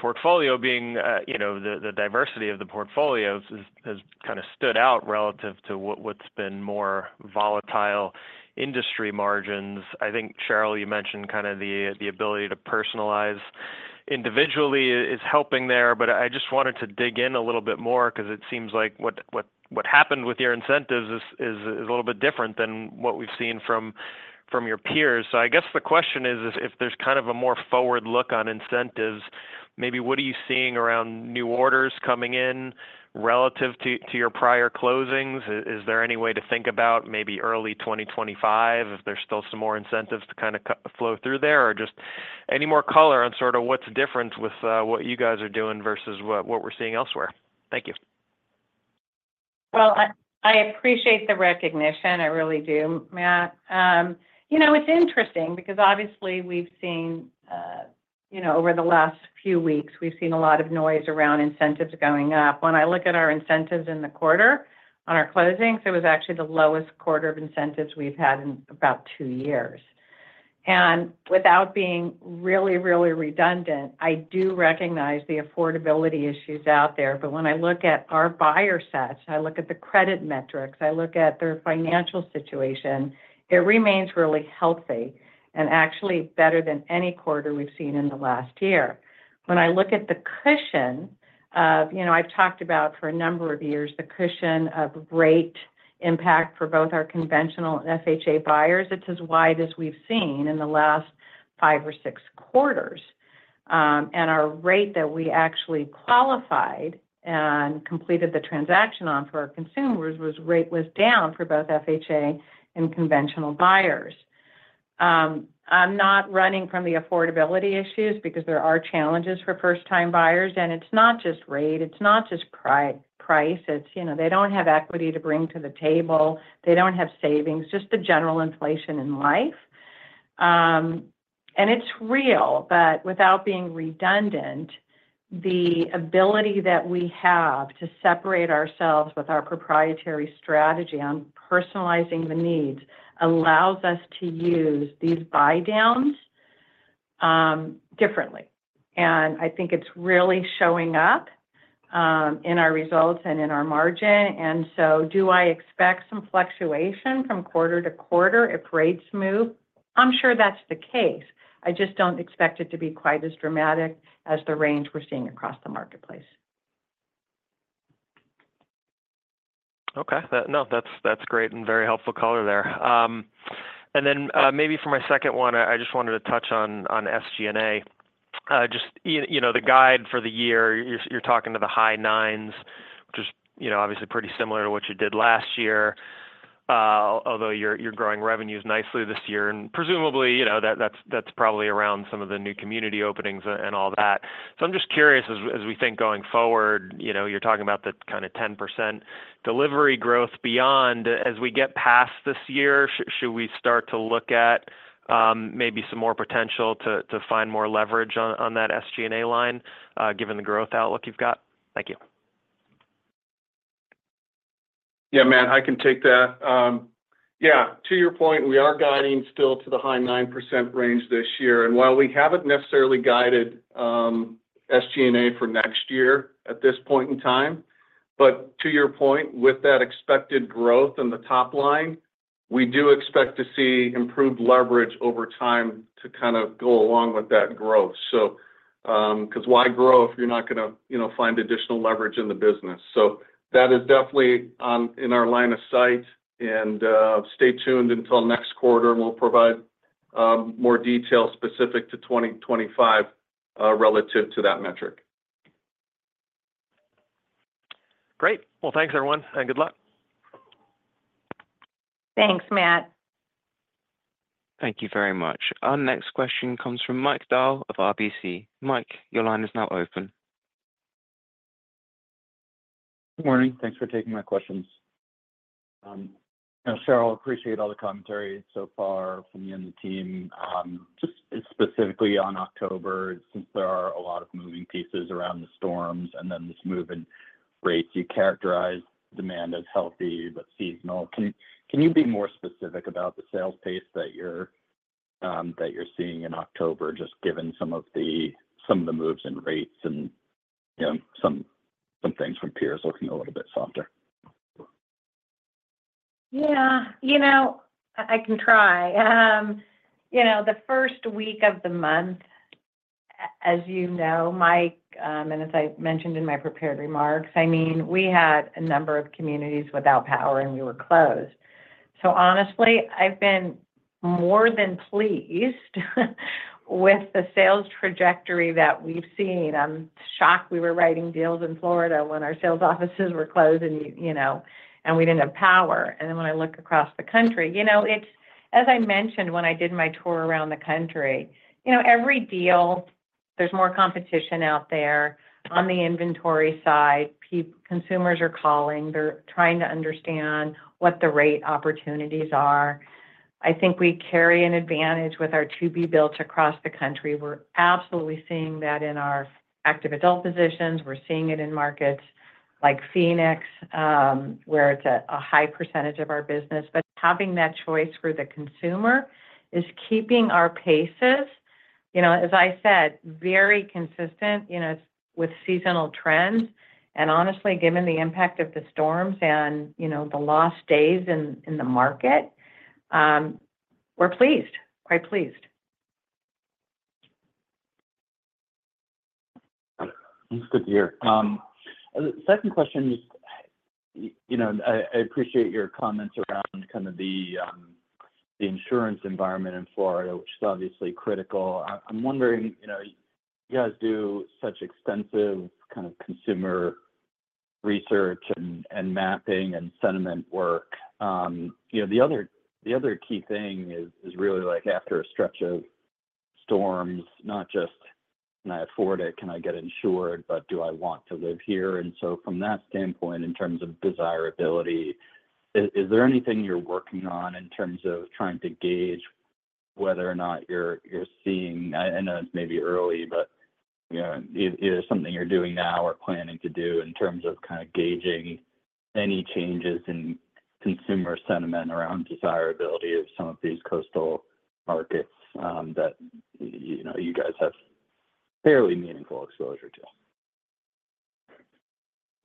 portfolio being, you know, the diversity of the portfolios has kind of stood out relative to what's been more volatile industry margins. I think, Sheryl, you mentioned kind of the ability to personalize individually is helping there, but I just wanted to dig in a little bit more because it seems like what happened with your incentives is a little bit different than what we've seen from your peers. So I guess the question is, if there's kind of a more forward look on incentives, maybe what are you seeing around new orders coming in relative to your prior closings? Is there any way to think about maybe early twenty twenty-five, if there's still some more incentives to kind of cash flow through there? Or just any more color on sort of what's different with what you guys are doing versus what we're seeing elsewhere. Thank you. I appreciate the recognition. I really do, Matt. You know, it's interesting because obviously we've seen you know, over the last few weeks, we've seen a lot of noise around incentives going up. When I look at our incentives in the quarter on our closings, it was actually the lowest quarter of incentives we've had in about two years. And without being really, really redundant, I do recognize the affordability issues out there. But when I look at our buyer sets, I look at the credit metrics, I look at their financial situation, it remains really healthy and actually better than any quarter we've seen in the last year. When I look at the cushion of... You know, I've talked about for a number of years, the cushion of rate impact for both our conventional and FHA buyers. It's as wide as we've seen in the last five or six quarters. And our rate that we actually qualified and completed the transaction on for our consumers was down for both FHA and conventional buyers. I'm not running from the affordability issues because there are challenges for first-time buyers, and it's not just rate, it's not just price. It's, you know, they don't have equity to bring to the table. They don't have savings, just the general inflation in life. And it's real, but without being redundant, the ability that we have to separate ourselves with our proprietary strategy on personalizing the needs allows us to use these buy downs differently. And I think it's really showing up in our results and in our margin. And so do I expect some fluctuation from quarter to quarter if rates move? I'm sure that's the case. I just don't expect it to be quite as dramatic as the range we're seeing across the marketplace. Okay. That, no, that's, that's great and very helpful color there. And then, maybe for my second one, I just wanted to touch on, on SG&A. Just, you know, the guide for the year, you're, you're talking to the high nines, which is, you know, obviously pretty similar to what you did last year, although you're, you're growing revenues nicely this year, and presumably, you know, that, that's, that's probably around some of the new community openings and all that. So I'm just curious, as, as we think going forward, you know, you're talking about the kind of 10% delivery growth beyond. As we get past this year, should we start to look at, maybe some more potential to, to find more leverage on, on that SG&A line, given the growth outlook you've got? Thank you. ... Yeah, Matt, I can take that. Yeah, to your point, we are guiding still to the high 9% range this year. And while we haven't necessarily guided, SG&A for next year at this point in time, but to your point, with that expected growth in the top line, we do expect to see improved leverage over time to kind of go along with that growth. So, 'cause why grow if you're not gonna, you know, find additional leverage in the business? So that is definitely, in our line of sight, and, stay tuned until next quarter, and we'll provide, more detail specific to 2025, relative to that metric. Great! Well, thanks, everyone, and good luck. Thanks, Matt. Thank you very much. Our next question comes from Mike Dahl of RBC. Mike, your line is now open. Good morning. Thanks for taking my questions, and Sheryl, appreciate all the commentary so far from you and the team. Just specifically on October, since there are a lot of moving pieces around the storms and then this move in rates, you characterize demand as healthy but seasonal. Can you be more specific about the sales pace that you're seeing in October, just given some of the moves and rates and, you know, some things from peers looking a little bit softer? Yeah, you know, I can try. You know, the first week of the month, as you know, Mike, and as I mentioned in my prepared remarks, I mean, we had a number of communities without power, and we were closed. So honestly, I've been more than pleased with the sales trajectory that we've seen. I'm shocked we were writing deals in Florida when our sales offices were closed and, you know, and we didn't have power. And then when I look across the country, you know, it's... As I mentioned, when I did my tour around the country, you know, every deal, there's more competition out there. On the inventory side, consumers are calling. They're trying to understand what the rate opportunities are. I think we carry an advantage with our to-be builds across the country. We're absolutely seeing that in our active adult positions. We're seeing it in markets like Phoenix, where it's a high percentage of our business. But having that choice for the consumer is keeping our paces, you know, as I said, very consistent, you know, with seasonal trends. And honestly, given the impact of the storms and, you know, the lost days in the market, we're pleased, quite pleased. That's good to hear. The second question is, you know, I appreciate your comments around kind of the insurance environment in Florida, which is obviously critical. I'm wondering, you know, you guys do such extensive kind of consumer research and mapping and sentiment work. You know, the other key thing is really like after a stretch of storms, not just, "Can I afford it? Can I get insured, but do I want to live here?" and so from that standpoint, in terms of desirability, is there anything you're working on in terms of trying to gauge whether or not you're seeing, I know it's maybe early, but you know, is something you're doing now or planning to do in terms of kind of gauging any changes in consumer sentiment around desirability of some of these coastal markets, that you know, you guys have fairly meaningful exposure to?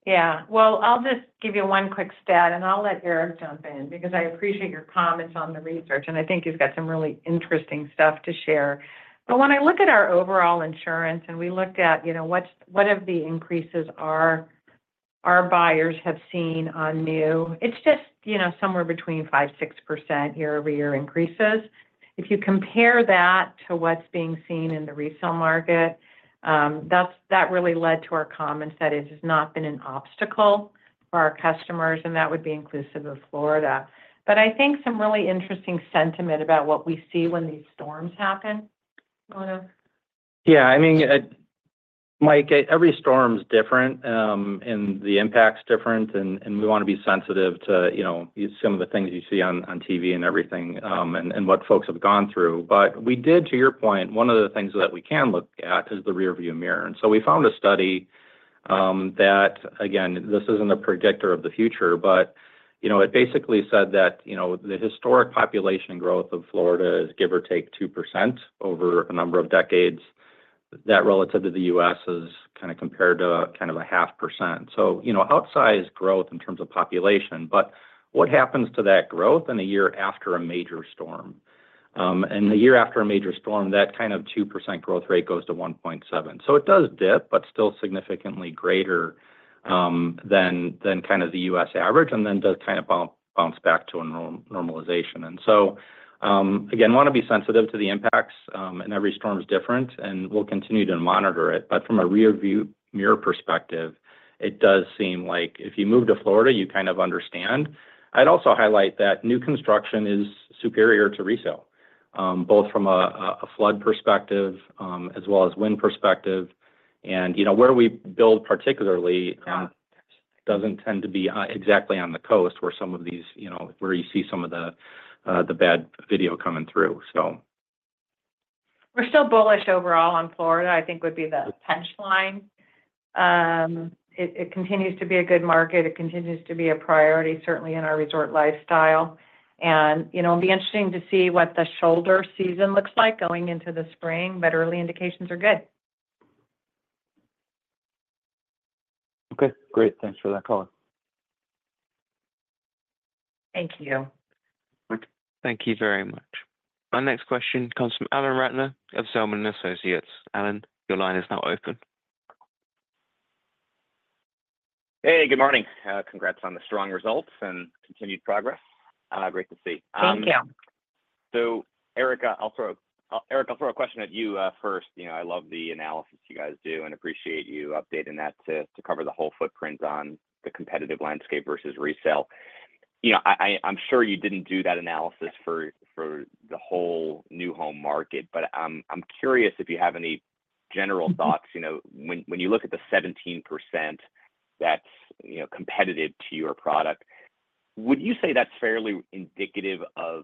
Yeah. Well, I'll just give you one quick stat, and I'll let Eric jump in, because I appreciate your comments on the research, and I think he's got some really interesting stuff to share. But when I look at our overall insurance, and we looked at, you know, what are the increases our buyers have seen on new, it's just, you know, somewhere between 5-6% year-over-year increases. If you compare that to what's being seen in the resale market, that really led to our comments that it has not been an obstacle for our customers, and that would be inclusive of Florida. But I think some really interesting sentiment about what we see when these storms happen, Eric. Yeah. I mean, Mike, every storm is different, and the impact is different, and we want to be sensitive to, you know, some of the things you see on TV and everything, and what folks have gone through. But we did, to your point, one of the things that we can look at is the rearview mirror. And so we found a study, that, again, this isn't a predictor of the future, but, you know, it basically said that, you know, the historic population growth of Florida is give or take 2% over a number of decades. That relative to the U.S. is kind of compared to kind of a 0.5%. So, you know, outsized growth in terms of population. But what happens to that growth in a year after a major storm? And the year after a major storm, that kind of 2% growth rate goes to 1.7%. So it does dip, but still significantly greater than kind of the U.S. average, and then does kind of bounce back to a normalization. And so, again, want to be sensitive to the impacts, and every storm is different, and we'll continue to monitor it. But from a rearview mirror perspective, it does seem like if you move to Florida, you kind of understand. I'd also highlight that new construction is superior to resale, both from a flood perspective, as well as wind perspective. And, you know, where we build, particularly, doesn't tend to be exactly on the coast where some of these, you know, where you see some of the bad video coming through, so.... We're still bullish overall on Florida, I think would be the punchline. It continues to be a good market. It continues to be a priority, certainly in our resort lifestyle. And, you know, it'll be interesting to see what the shoulder season looks like going into the spring, but early indications are good. Okay, great. Thanks for that call. Thank you. Thank you very much. Our next question comes from Alan Ratner of Zelman & Associates. Alan, your line is now open. Hey, good morning. Congrats on the strong results and continued progress. Great to see. Thank you. So Eric, I'll throw a question at you first. You know, I love the analysis you guys do and appreciate you updating that to cover the whole footprint on the competitive landscape versus resale. You know, I'm sure you didn't do that analysis for the whole new home market, but I'm curious if you have any general thoughts. You know, when you look at the 17% that's competitive to your product, would you say that's fairly indicative of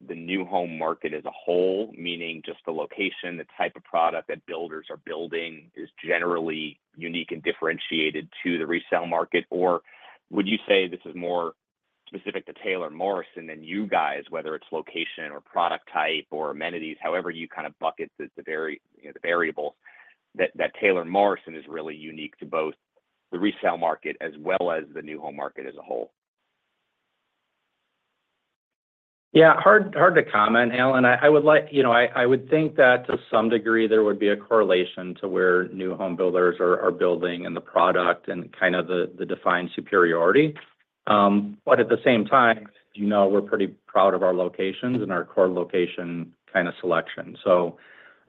the new home market as a whole? Meaning just the location, the type of product that builders are building is generally unique and differentiated to the resale market, or would you say this is more specific to Taylor Morrison than you guys, whether it's location or product type or amenities, however, you kind of bucket the variables, you know, the variables that Taylor Morrison is really unique to both the resale market as well as the new home market as a whole? Yeah, hard to comment, Alan. I would like, you know, I would think that to some degree there would be a correlation to where new home builders are building and the product and kind of the defined superiority. But at the same time, you know, we're pretty proud of our locations and our core location kind of selection. So,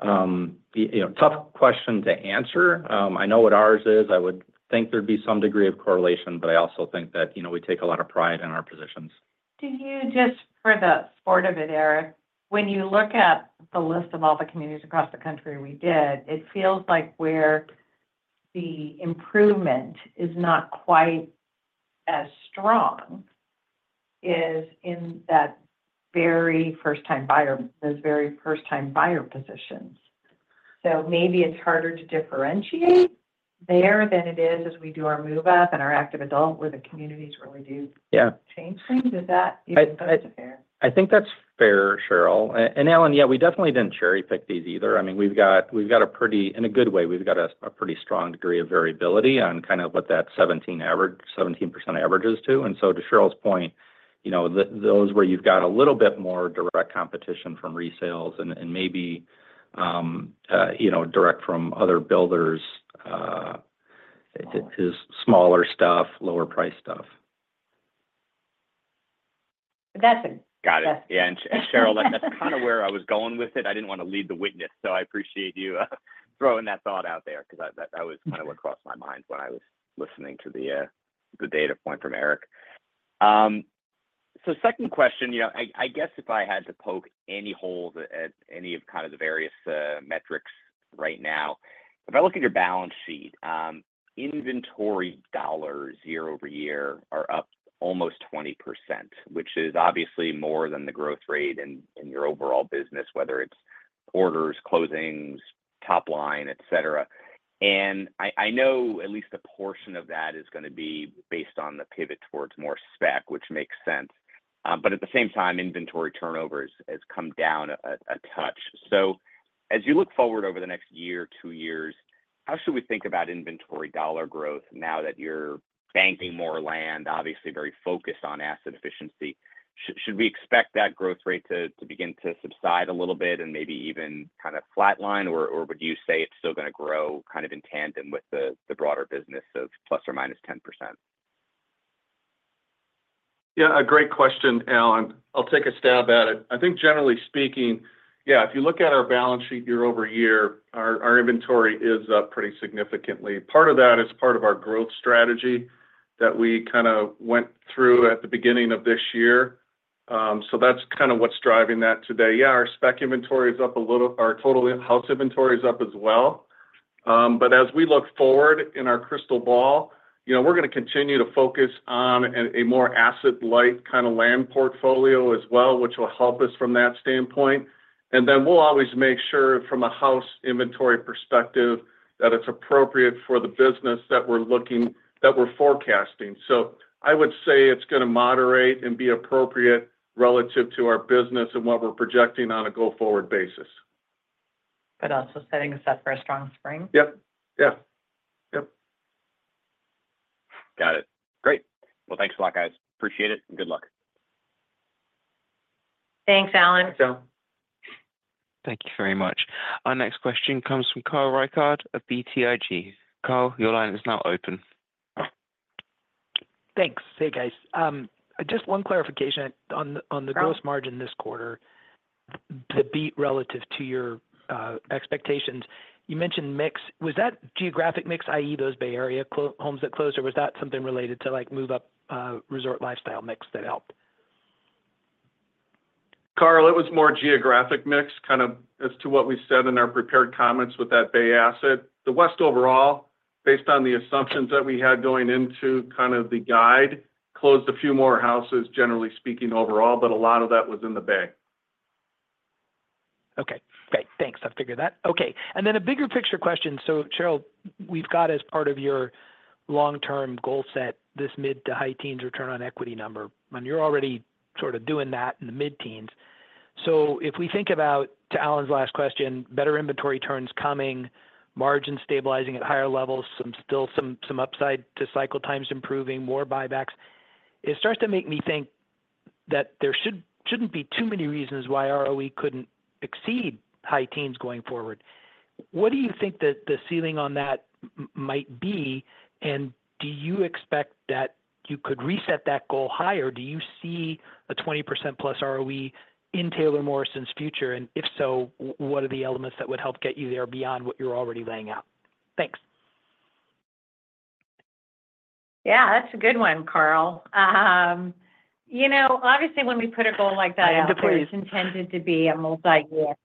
you know, tough question to answer. I know what ours is. I would think there'd be some degree of correlation, but I also think that, you know, we take a lot of pride in our positions. Do you, just for the sport of it, Eric, when you look at the list of all the communities across the country we did, it feels like where the improvement is not quite as strong is in that very first-time buyer, those very first-time buyer positions. So maybe it's harder to differentiate there than it is as we do our move up and our active adult, where the communities really do- Yeah Change things. Is that even fair? I think that's fair, Sheryl. And Alan, yeah, we definitely didn't cherry-pick these either. I mean, we've got a pretty... In a good way, we've got a pretty strong degree of variability on kind of what that 17 average, 17% averages to. And so to Sheryl's point, you know, those where you've got a little bit more direct competition from resales and maybe, you know, direct from other builders is smaller stuff, lower price stuff. That's it. Got it. Yeah. Sheryl, that's kind of where I was going with it. I didn't want to lead the witness, so I appreciate you throwing that thought out there because that was kind of what crossed my mind when I was listening to the data point from Eric. So second question, you know, I guess if I had to poke any holes at any of kind of the various metrics right now, if I look at your balance sheet, inventory dollars year over year are up almost 20%, which is obviously more than the growth rate in your overall business, whether it's orders, closings, top line, et cetera. And I know at least a portion of that is gonna be based on the pivot towards more spec, which makes sense. But at the same time, inventory turnover has come down a touch. So as you look forward over the next year, two years, how should we think about inventory dollar growth now that you're banking more land, obviously very focused on asset efficiency? Should we expect that growth rate to begin to subside a little bit and maybe even kind of flatline, or would you say it's still gonna grow kind of in tandem with the broader business of plus or minus 10%? Yeah, a great question, Alan. I'll take a stab at it. I think generally speaking, yeah, if you look at our balance sheet year over year, our inventory is up pretty significantly. Part of that is our growth strategy that we kind of went through at the beginning of this year. So that's kind of what's driving that today. Yeah, our spec inventory is up a little. Our total house inventory is up as well. But as we look forward in our crystal ball, you know, we're gonna continue to focus on a more asset-light kind of land portfolio as well, which will help us from that standpoint and then we'll always make sure, from a house inventory perspective, that it's appropriate for the business that we're forecasting. So I would say it's gonna moderate and be appropriate relative to our business and what we're projecting on a go-forward basis. But also setting us up for a strong spring. Yep. Yeah. Yep. Got it. Great! Well, thanks a lot, guys. Appreciate it, and good luck. Thanks, Alan. Thanks, Alan. Thank you very much. Our next question comes from Carl Reichardt of BTIG. Carl, your line is now open. Thanks. Hey, guys. Just one clarification on the- Carl- On the gross margin this quarter, the beat relative to your expectations. You mentioned mix. Was that geographic mix, i.e., those Bay Area homes that closed, or was that something related to, like, move-up resort lifestyle mix that helped? Carl, it was more geographic mix, kind of as to what we said in our prepared comments with that Bay asset. The West overall, based on the assumptions that we had going into kind of the guide, closed a few more houses, generally speaking, overall, but a lot of that was in the bay. Okay, great. Thanks. I figured that. Okay, and then a bigger picture question. So Sheryl, we've got as part of your long-term goal set, this mid- to high-teens return on equity number, and you're already sort of doing that in the mid-teens. So if we think about, to Alan's last question, better inventory turns coming, margin stabilizing at higher levels, some still some upside to cycle times improving, more buybacks, it starts to make me think that there shouldn't be too many reasons why ROE couldn't exceed high teens going forward. What do you think that the ceiling on that might be, and do you expect that you could reset that goal higher? Do you see a 20% plus ROE in Taylor Morrison's future? And if so, what are the elements that would help get you there beyond what you're already laying out? Thanks. Yeah, that's a good one, Carl. You know, obviously, when we put a goal like that out- I had to please- It's intended to be a multi-year.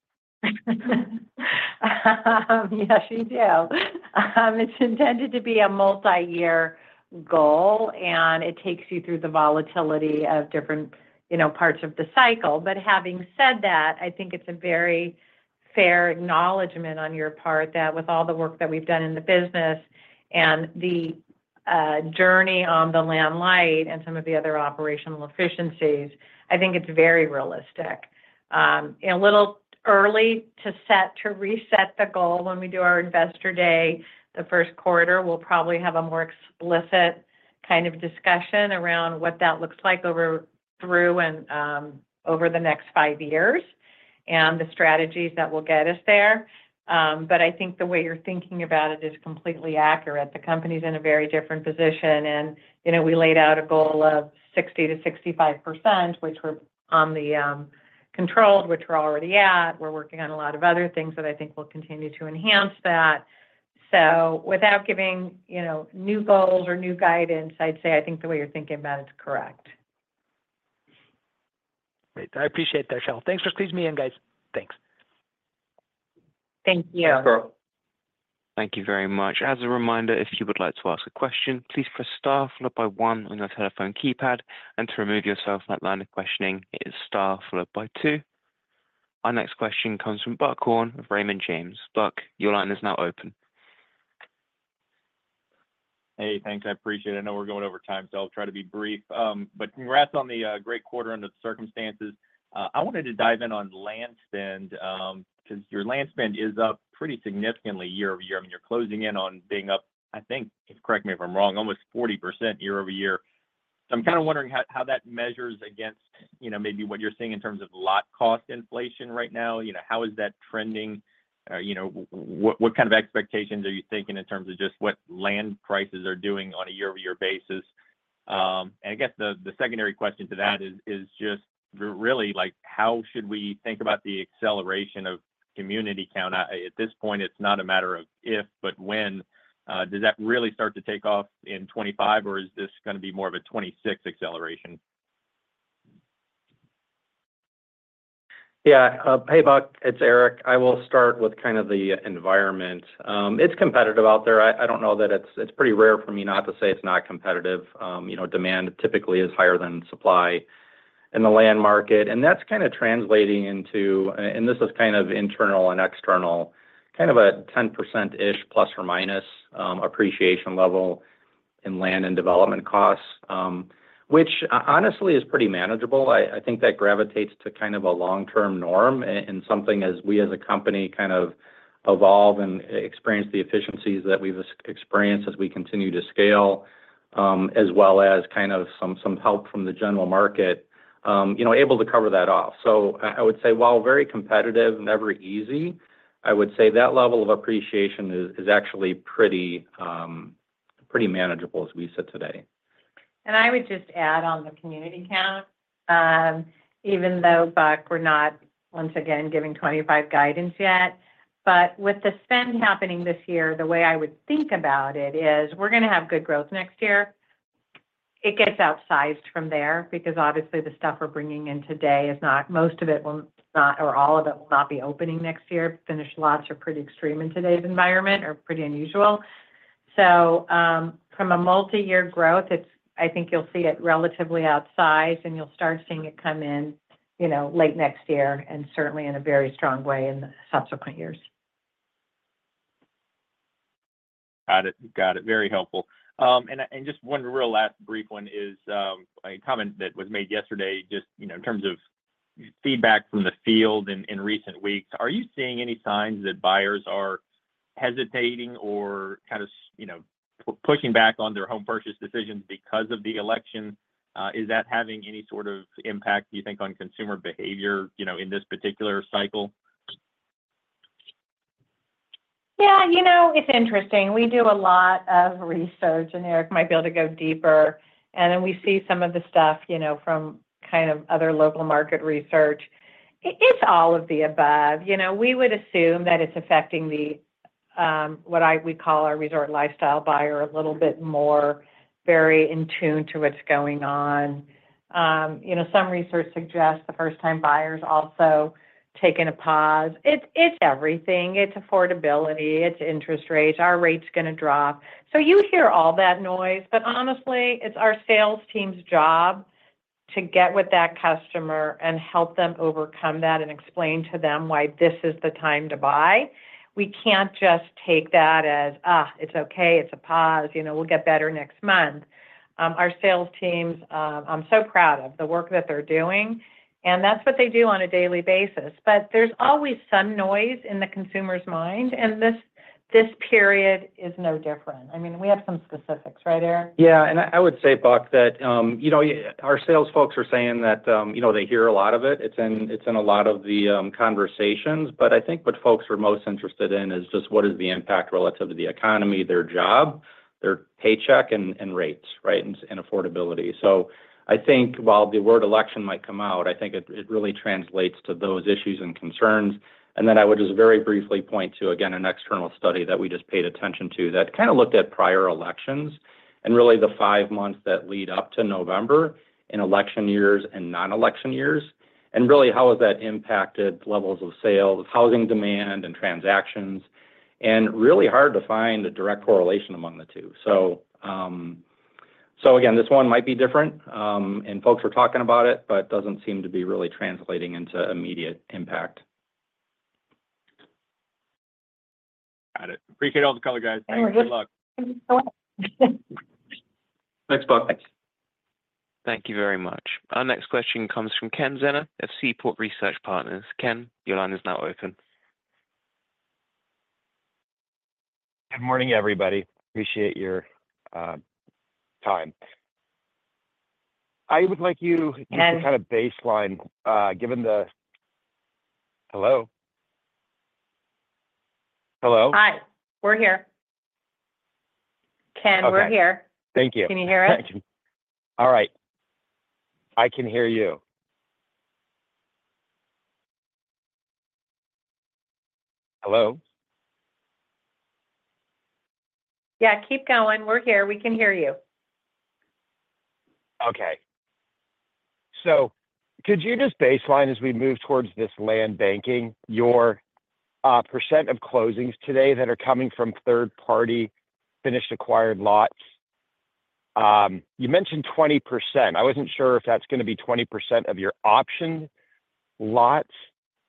Yes, it is. It's intended to be a multi-year goal, and it takes you through the volatility of different, you know, parts of the cycle. But having said that, I think it's a very fair acknowledgment on your part that with all the work that we've done in the business and the, journey on the land light and some of the other operational efficiencies, I think it's very realistic. A little early to set to reset the goal when we do our investor day. The first quarter, we'll probably have a more explicit kind of discussion around what that looks like over through and, over the next five years, and the strategies that will get us there. But I think the way you're thinking about it is completely accurate. The company is in a very different position, and, you know, we laid out a goal of 60%-65%, which we're on the controlled, which we're already at. We're working on a lot of other things that I think will continue to enhance that. So without giving, you know, new goals or new guidance, I'd say I think the way you're thinking about it is correct. Great. I appreciate that, Sheryl. Thanks for squeezing me in, guys. Thanks. Thank you. Thanks, Carl. Thank you very much. As a reminder, if you would like to ask a question, please press star followed by one on your telephone keypad, and to remove yourself from that line of questioning, it is star followed by two. Our next question comes from Buck Horne of Raymond James. Buck, your line is now open. Hey, thanks. I appreciate it. I know we're going over time, so I'll try to be brief. But congrats on the great quarter under the circumstances. I wanted to dive in on land spend, 'cause your land spend is up pretty significantly year over year. I mean, you're closing in on being up, I think, correct me if I'm wrong, almost 40% year over year. So I'm kind of wondering how that measures against, you know, maybe what you're seeing in terms of lot cost inflation right now. You know, how is that trending? You know, what kind of expectations are you thinking in terms of just what land prices are doing on a year-over-year basis? And I guess the secondary question to that is just really like, how should we think about the acceleration of community count? At this point, it's not a matter of if, but when. Does that really start to take off in 2025, or is this gonna be more of a 2026 acceleration? Yeah. Hey, Buck, it's Erik. I will start with kind of the environment. It's competitive out there. I don't know that it's. It's pretty rare for me not to say it's not competitive. You know, demand typically is higher than supply in the land market, and that's kind of translating into, and this is kind of internal and external, kind of a 10%-ish plus or minus appreciation level in land and development costs, which honestly is pretty manageable. I think that gravitates to kind of a long-term norm and something as we a s a company kind of evolve and experience the efficiencies that we've experienced as we continue to scale, as well as kind of some help from the general market, you know, able to cover that off. So I would say, while very competitive, never easy, I would say that level of appreciation is actually pretty manageable, as we sit today. I would just add on the community count, even though, Buck, we're not, once again, giving 2025 guidance yet, but with the spend happening this year, the way I would think about it is we're gonna have good growth next year. It gets outsized from there because obviously the stuff we're bringing in today is not-- most of it will not, or all of it will not be opening next year. Finished lots are pretty extreme in today's environment or pretty unusual. So, from a multi-year growth, it's-- I think you'll see it relatively outsized, and you'll start seeing it come in, you know, late next year, and certainly in a very strong way in the subsequent years. Got it. Got it. Very helpful. And just one real last brief one is a comment that was made yesterday, just, you know, in terms of feedback from the field in recent weeks. Are you seeing any signs that buyers are hesitating or kind of, you know, pushing back on their home purchase decisions because of the election? Is that having any sort of impact, do you think, on consumer behavior, you know, in this particular cycle? Yeah, you know, it's interesting. We do a lot of research, and Eric might be able to go deeper, and then we see some of the stuff, you know, from kind of other local market research. It's all of the above. You know, we would assume that it's affecting the what we call our resort lifestyle buyer a little bit more, very in tune to what's going on. You know, some research suggests the first-time buyer's also taking a pause. It's everything. It's affordability, it's interest rates. Are rates gonna drop? So you hear all that noise, but honestly, it's our sales team's job to get with that customer and help them overcome that and explain to them why this is the time to buy. We can't just take that as it's okay, it's a pause, you know, we'll get better next month. Our sales teams, I'm so proud of the work that they're doing, and that's what they do on a daily basis. But there's always some noise in the consumer's mind, and this period is no different. I mean, we have some specifics, right, Aaron? Yeah, and I would say, Buck, that, you know, our sales folks are saying that, you know, they hear a lot of it. It's in a lot of the conversations, but I think what folks are most interested in is just what is the impact relative to the economy, their job, their paycheck, and rates, right? And affordability. So I think while the word election might come out, I think it really translates to those issues and concerns. And then I would just very briefly point to, again, an external study that we just paid attention to, that kind of looked at prior elections and really the five months that lead up to November in election years and non-election years, and really how has that impacted levels of sales, housing demand, and transactions. BAnd really hard to find a direct correlation among the two. So, again, this one might be different, and folks are talking about it, but it doesn't seem to be really translating into immediate impact. Got it. Appreciate all the color, guys. Thanks. Good luck. Thank you so much. Thanks, Buck. Thank you very much. Our next question comes from Ken Zener of Seaport Research Partners. Ken, your line is now open. Good morning, everybody. Appreciate your time. I would like you- Ken... to kind of baseline, given the... Hello? Hello. Hi, we're here. Ken, we're here. Thank you. Can you hear us? All right. I can hear you. Hello? Yeah, keep going. We're here. We can hear you. Okay. So could you just baseline as we move towards this land banking, your percent of closings today that are coming from third-party finished acquired lots? You mentioned 20%. I wasn't sure if that's gonna be 20% of your option lots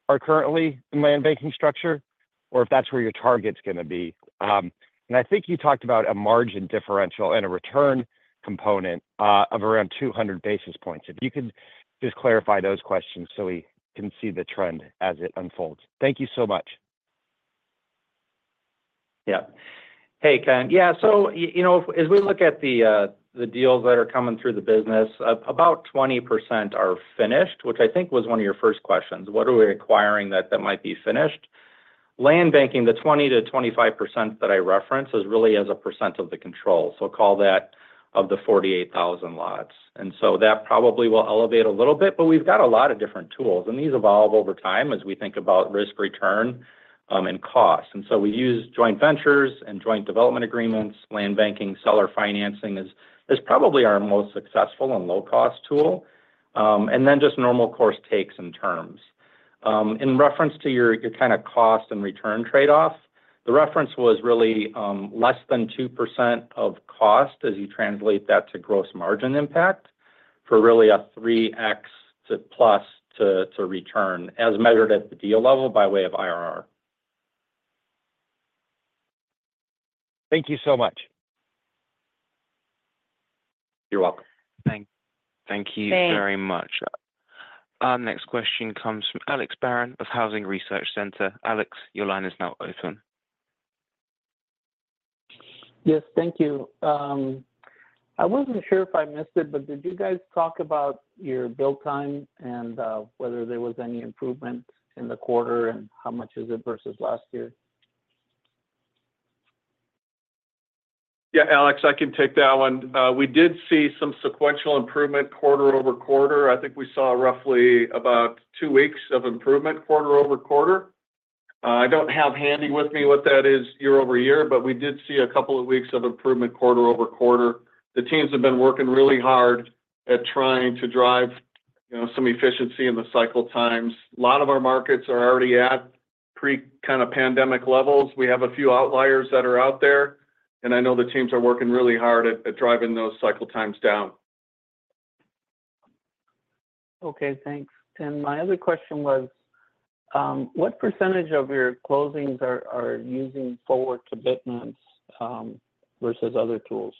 are currently in land banking structure, or if that's where your target's gonna be. And I think you talked about a margin differential and a return component of around 200 basis points. If you could just clarify those questions so we can see the trend as it unfolds. Thank you so much. Yeah. Hey, Ken. Yeah, so you know, as we look at the, the deals that are coming through the business, about 20% are finished, which I think was one of your first questions: what are we acquiring that, that might be finished? Land banking, the 20%-25% that I referenced, is really as a percent of the control, so call that of the 48,000 lots. And so that probably will elevate a little bit, but we've got a lot of different tools, and these evolve over time as we think about risk, return, and cost. And so we use joint ventures and joint development agreements. Land banking, seller financing is, is probably our most successful and low-cost tool, and then just normal course takes and terms. In reference to your kind of cost and return trade-off, the reference was really less than 2% of cost as you translate that to gross margin impact, for really a 3x to plus 2 return, as measured at the deal level by way of IRR. Thank you so much. You're welcome. Thank you. Thanks... very much. Our next question comes from Alex Barron of Housing Research Center. Alex, your line is now open. Yes, thank you. I wasn't sure if I missed it, but did you guys talk about your build time and whether there was any improvement in the quarter, and how much is it versus last year? Yeah, Alex, I can take that one. We did see some sequential improvement quarter over quarter. I think we saw roughly about two weeks of improvement quarter over quarter. I don't have handy with me what that is year over year, but we did see a couple of weeks of improvement quarter over quarter. The teams have been working really hard at trying to drive, you know, some efficiency in the cycle times. A lot of our markets are already at pre-kind of pandemic levels. We have a few outliers that are out there, and I know the teams are working really hard at driving those cycle times down. Okay, thanks. And my other question was, what percentage of your closings are using forward commitments, versus other tools?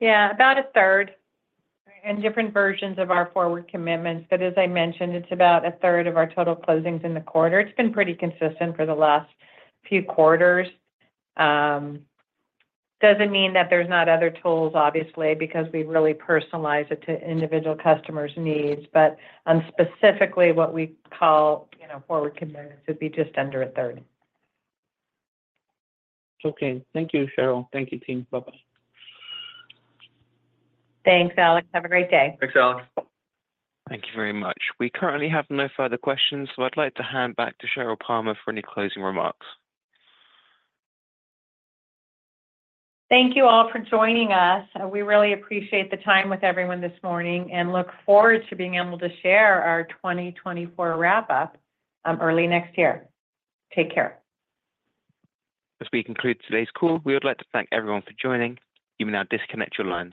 Yeah, about a third, and different versions of our forward commitments, but as I mentioned, it's about a third of our total closings in the quarter. It's been pretty consistent for the last few quarters. Doesn't mean that there's not other tools, obviously, because we really personalize it to individual customers' needs, but on specifically what we call, you know, forward commitments, would be just under a third. Okay. Thank you, Sheryl. Thank you, team. Bye-bye. Thanks, Alex. Have a great day. Thanks, Alex. Thank you very much. We currently have no further questions, so I'd like to hand back to Sheryl Palmer for any closing remarks. Thank you all for joining us, and we really appreciate the time with everyone this morning, and look forward to being able to share our 2024 wrap-up, early next year. Take care. As we conclude today's call, we would like to thank everyone for joining. You may now disconnect your lines.